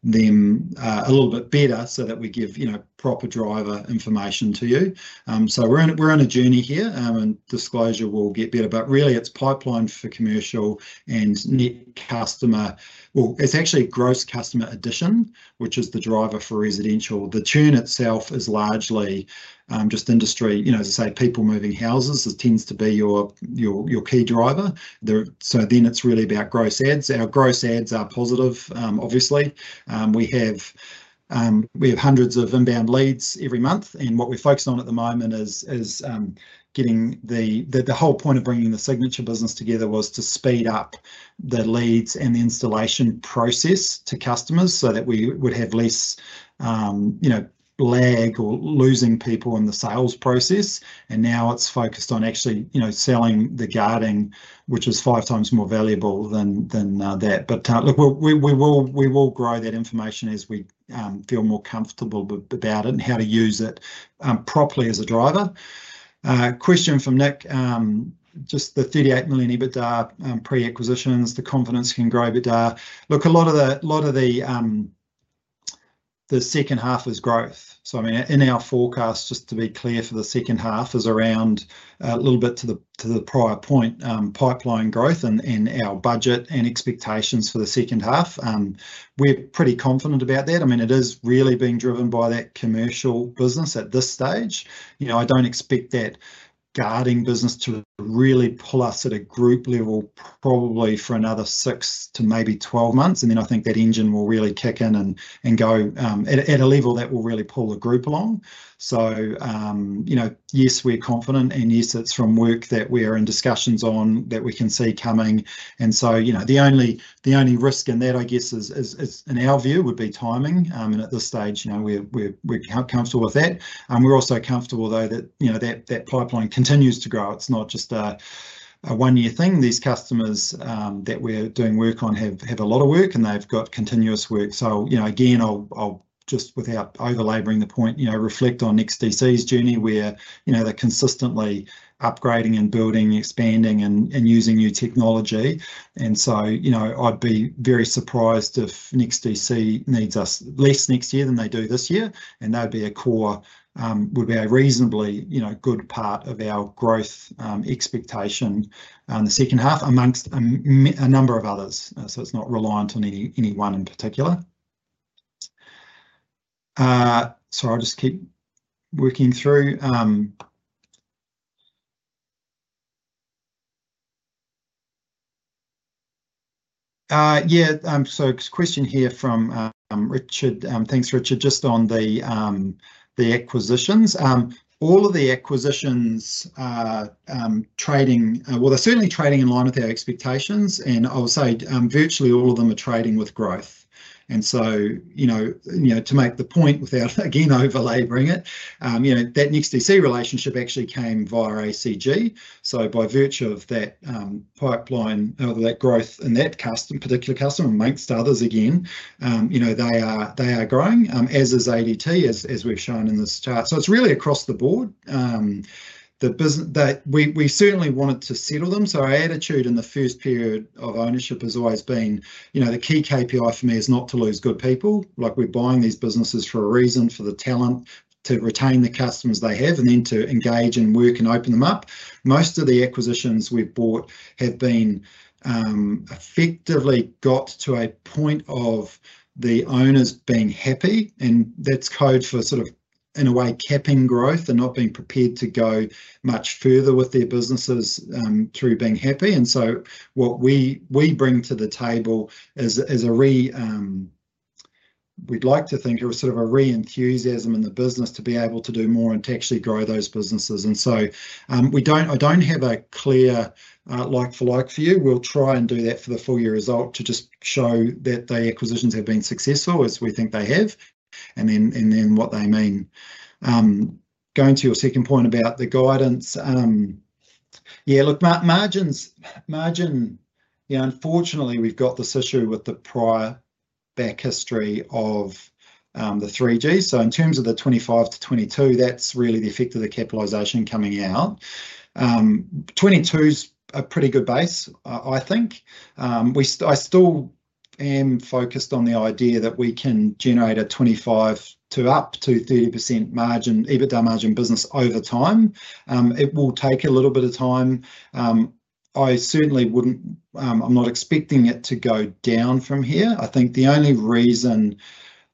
them a little bit better so that we give, you know, proper driver information to you. We're on a journey here, and disclosure will get better. Really, it's pipeline for commercial and net customer. Well, it's actually gross customer addition, which is the driver for residential. The churn itself is largely just industry, you know, as I say, people moving houses. It tends to be your key driver. Then it's really about gross ads. Our gross ads are positive, obviously. We have hundreds of inbound leads every month. What we're focused on at the moment is getting the whole point of bringing the Signature business together was to speed up the leads and the installation process to customers so that we would have less, you know, lag or losing people in the sales process. Now it's focused on actually, you know, selling the guarding, which is 5x more valuable than that. Look, we will grow that information as we feel more comfortable about it and how to use it properly as a driver. Question from Nick. Just the 38 million EBITDA pre-acquisitions, the confidence can grow a bit. Look, a lot of the second half is growth. I mean, in our forecast, just to be clear for the second half is around a little bit to the prior point, pipeline growth and our budget and expectations for the second half. We're pretty confident about that. I mean, it is really being driven by that commercial business at this stage. You know, I don't expect that guarding business to really pull us at a group level probably for another six to maybe 12 months. I think that engine will really kick in and go at a level that will really pull the group along. You know, yes, we're confident. Yes, it's from work that we are in discussions on that we can see coming. The only risk in that, I guess, in our view, would be timing. At this stage, we're comfortable with that. We're also comfortable, though, that, you know, that pipeline continues to grow. It's not just a one-year thing. These customers that we're doing work on have a lot of work, and they've got continuous work. You know, again, I'll just, without over-laboring the point, you know, reflect on NEXTDC's journey where, you know, they're consistently upgrading and building and expanding and using new technology. You know, I'd be very surprised if NEXTDC needs us less next year than they do this year. That would be a core, would be a reasonably, you know, good part of our growth expectation in the second half amongst a number of others. It's not reliant on anyone in particular. Sorry, I'll just keep working through. Yeah. Question here from Richard. Thanks, Richard. Just on the acquisitions. All of the acquisitions trading, well, they're certainly trading in line with our expectations. I will say virtually all of them are trading with growth. You know, to make the point without, again, over-laboring it, you know, that NEXTDC relationship actually came via ACG. By virtue of that pipeline, that growth and that particular customer amongst others, again, you know, they are growing, as is ADT, as we've shown in this chart. It's really across the board. We certainly wanted to settle them. Our attitude in the first period of ownership has always been, you know, the key KPI for me is not to lose good people. Like we're buying these businesses for a reason, for the talent to retain the customers they have and then to engage and work and open them up. Most of the acquisitions we've bought have been effectively got to a point of the owners being happy. That's code for, in a way, capping growth and not being prepared to go much further with their businesses through being happy. What we bring to the table is a re, we'd like to think of sort of a re-enthusiasm in the business to be able to do more and to actually grow those businesses. I don't have a clear like-for-like view. We'll try and do that for the full year result to just show that the acquisitions have been successful, as we think they have. Then what they mean. Going to your second point about the guidance. Yeah, look, margins, unfortunately, we've got this issue with the prior back history of the 3G. In terms of the 25%-22%, that's really the effect of the capitalization coming out. 22 is a pretty good base, I think. I still am focused on the idea that we can generate a 25%-30% margin, EBITDA margin business over time. It will take a little bit of time. I certainly wouldn't, I'm not expecting it to go down from here. I think the only reason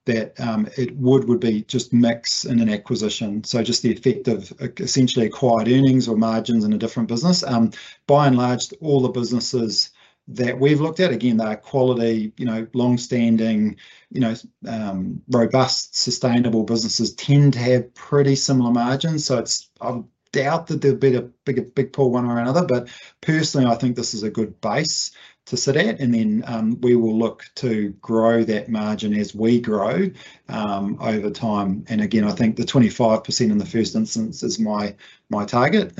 that it would would be just mix and an acquisition. Just the effect of essentially acquired earnings or margins in a different business. By and large, all the businesses that we've looked at, again, they're quality, you know, long-standing, you know, robust, sustainable businesses tend to have pretty similar margins. I doubt that there'll be a big pull one way or another. Personally, I think this is a good base to sit at. We will look to grow that margin as we grow over time. Again, I think the 25% in the first instance is my target.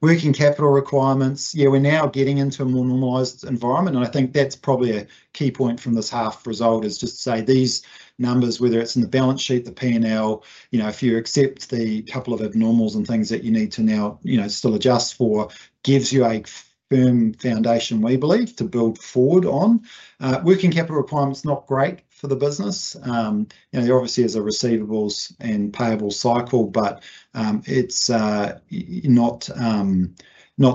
Working capital requirements. Yeah, we're now getting into a more normalized environment. I think that's probably a key point from this half result, just to say these numbers, whether it's in the balance sheet, the P&L, you know, if you accept the couple of abnormals and things that you need to now, you know, still adjust for, gives you a firm foundation, we believe, to build forward on. Working capital requirements, not great for the business. You know, there obviously is a receivables and payables cycle, but it's not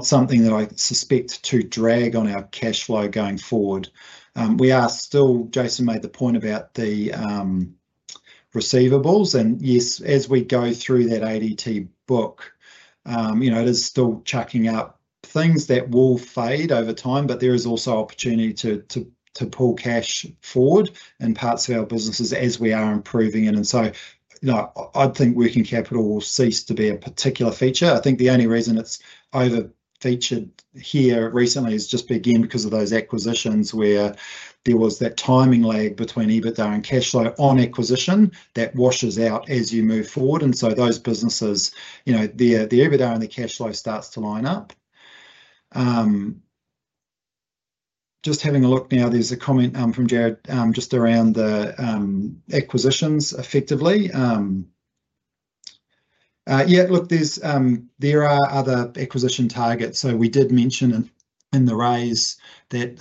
something that I suspect to drag on our cash flow going forward. We are still, Jason made the point about the receivables. Yes, as we go through that ADT book, you know, it is still chucking up things that will fade over time, but there is also opportunity to pull cash forward in parts of our businesses as we are improving it. You know, I'd think working capital will cease to be a particular feature. I think the only reason it's over-featured here recently is just, again, because of those acquisitions where there was that timing lag between EBITDA and cash flow on acquisition that washes out as you move forward. Those businesses, you know, the EBITDA and the cash flow starts to line up. Just having a look now, there's a comment from Jared just around the acquisitions effectively. Yeah, look, there are other acquisition targets. We did mention in the raise that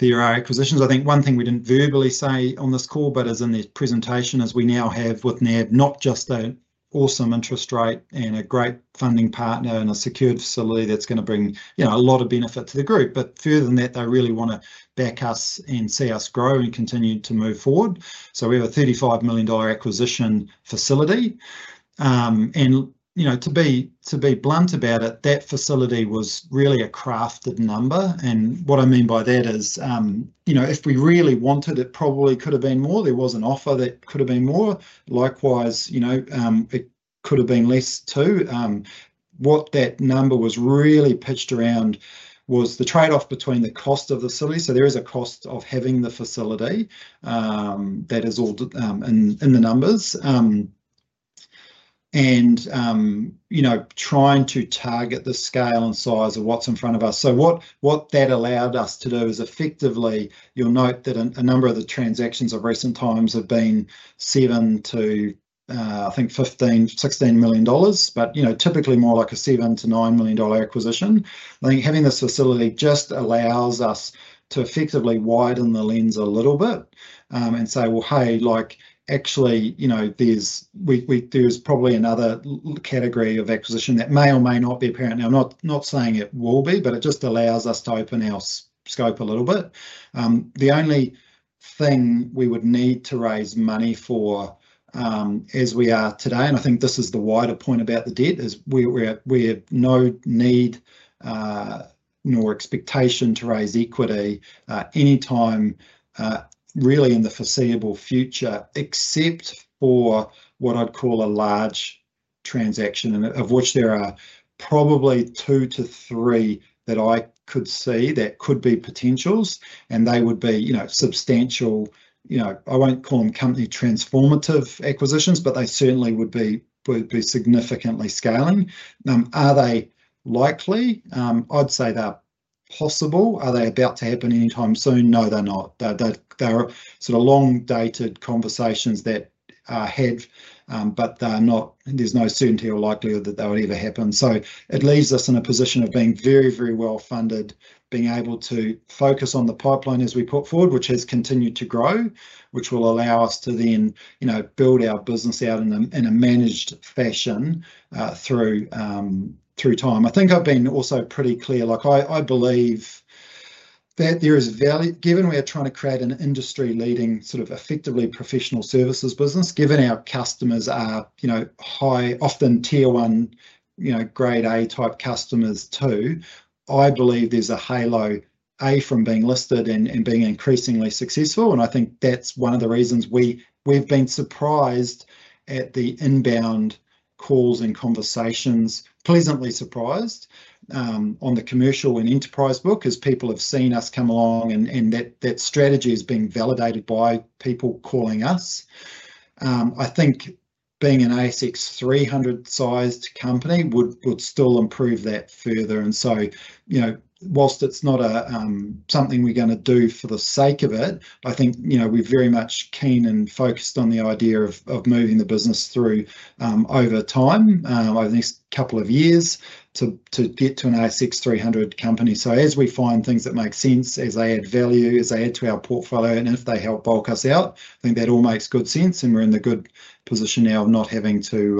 there are acquisitions. I think one thing we did not verbally say on this call, but as in the presentation, is we now have with NAB, not just an awesome interest rate and a great funding partner and a secured facility that is going to bring, you know, a lot of benefit to the group. Further than that, they really want to back us and see us grow and continue to move forward. We have a 35 million dollar acquisition facility. You know, to be blunt about it, that facility was really a crafted number. What I mean by that is, you know, if we really wanted it, it probably could have been more. There was an offer that could have been more. Likewise, you know, it could have been less too. What that number was really pitched around was the trade-off between the cost of the facility. There is a cost of having the facility that is all in the numbers. And, you know, trying to target the scale and size of what's in front of us. What that allowed us to do is effectively, you'll note that a number of the transactions of recent times have been $7 million-$15 million-$16 million, but, you know, typically more like a $7 million-$9 million acquisition. I think having this facility just allows us to effectively widen the lens a little bit and say, like, actually, you know, there's probably another category of acquisition that may or may not be apparent. Now, I'm not saying it will be, but it just allows us to open our scope a little bit. The only thing we would need to raise money for as we are today, and I think this is the wider point about the debt, is we have no need nor expectation to raise equity anytime really in the foreseeable future, except for what I'd call a large transaction, of which there are probably two to three that I could see that could be potentials. They would be, you know, substantial, you know, I won't call them company transformative acquisitions, but they certainly would be significantly scaling. Are they likely? I'd say they're possible. Are they about to happen anytime soon? No, they're not. They're sort of long-dated conversations that I had, but there's no certainty or likelihood that they would ever happen. It leaves us in a position of being very, very well funded, being able to focus on the pipeline as we put forward, which has continued to grow, which will allow us to then, you know, build our business out in a managed fashion through time. I think I've been also pretty clear. Like I believe that there is value, given we are trying to create an industry-leading sort of effectively professional services business, given our customers are, you know, high, often tier one, you know, grade A type customers too, I believe there's a halo A from being listed and being increasingly successful. I think that's one of the reasons we've been surprised at the inbound calls and conversations, pleasantly surprised on the commercial and enterprise book, as people have seen us come along and that strategy has been validated by people calling us. I think being an ASX 300-sized company would still improve that further. You know, whilst it's not something we're going to do for the sake of it, I think, you know, we're very much keen and focused on the idea of moving the business through over time, over the next couple of years to get to an ASX 300 company. As we find things that make sense, as they add value, as they add to our portfolio, and if they help bulk us out, I think that all makes good sense. We're in the good position now of not having to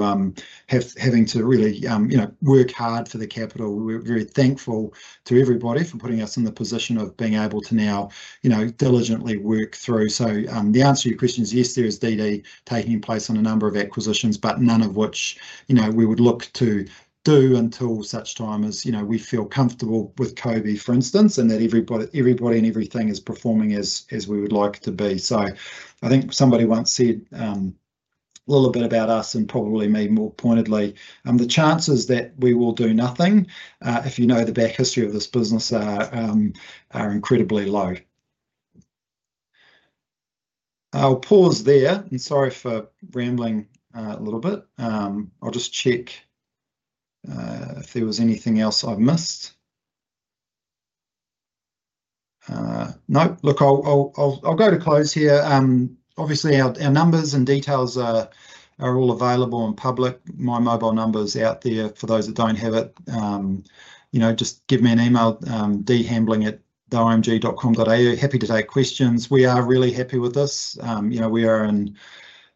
really, you know, work hard for the capital. We're very thankful to everybody for putting us in the position of being able to now, you know, diligently work through. The answer to your question is yes, there is DD taking place on a number of acquisitions, but none of which, you know, we would look to do until such time as, you know, we feel comfortable with KOBE, for instance, and that everybody and everything is performing as we would like to be. I think somebody once said a little bit about us and probably me more pointedly, the chances that we will do nothing, if you know the back history of this business, are incredibly low. I'll pause there. Sorry for rambling a little bit. I'll just check if there was anything else I've missed. Nope. Look, I'll go to close here. Obviously, our numbers and details are all available and public. My mobile number is out there for those that don't have it. You know, just give me an email, dhandling@domg.com.au. Happy to take questions. We are really happy with this. You know, we are in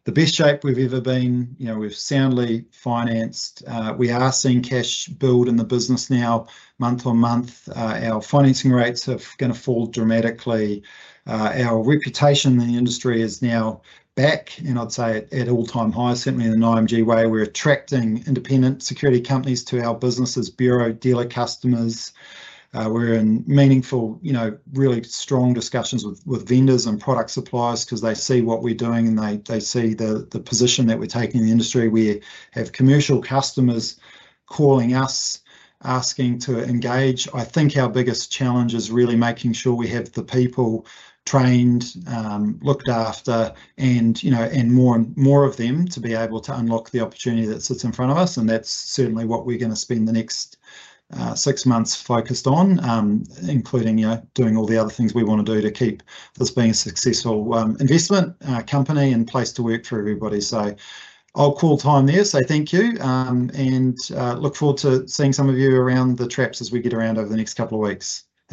the best shape we've ever been. You know, we're soundly financed. We are seeing cash build in the business now month on month. Our financing rates are going to fall dramatically. Our reputation in the industry is now back, and I'd say at all-time high, certainly in the IMG way. We're attracting independent security companies to our businesses, bureau dealer customers. We're in meaningful, you know, really strong discussions with vendors and product suppliers because they see what we're doing and they see the position that we're taking in the industry. We have commercial customers calling us, asking to engage. I think our biggest challenge is really making sure we have the people trained, looked after, and, you know, and more and more of them to be able to unlock the opportunity that sits in front of us. That is certainly what we are going to spend the next six months focused on, including, you know, doing all the other things we want to do to keep this being a successful investment company and place to work for everybody. I will call time there, say thank you, and look forward to seeing some of you around the traps as we get around over the next couple of weeks.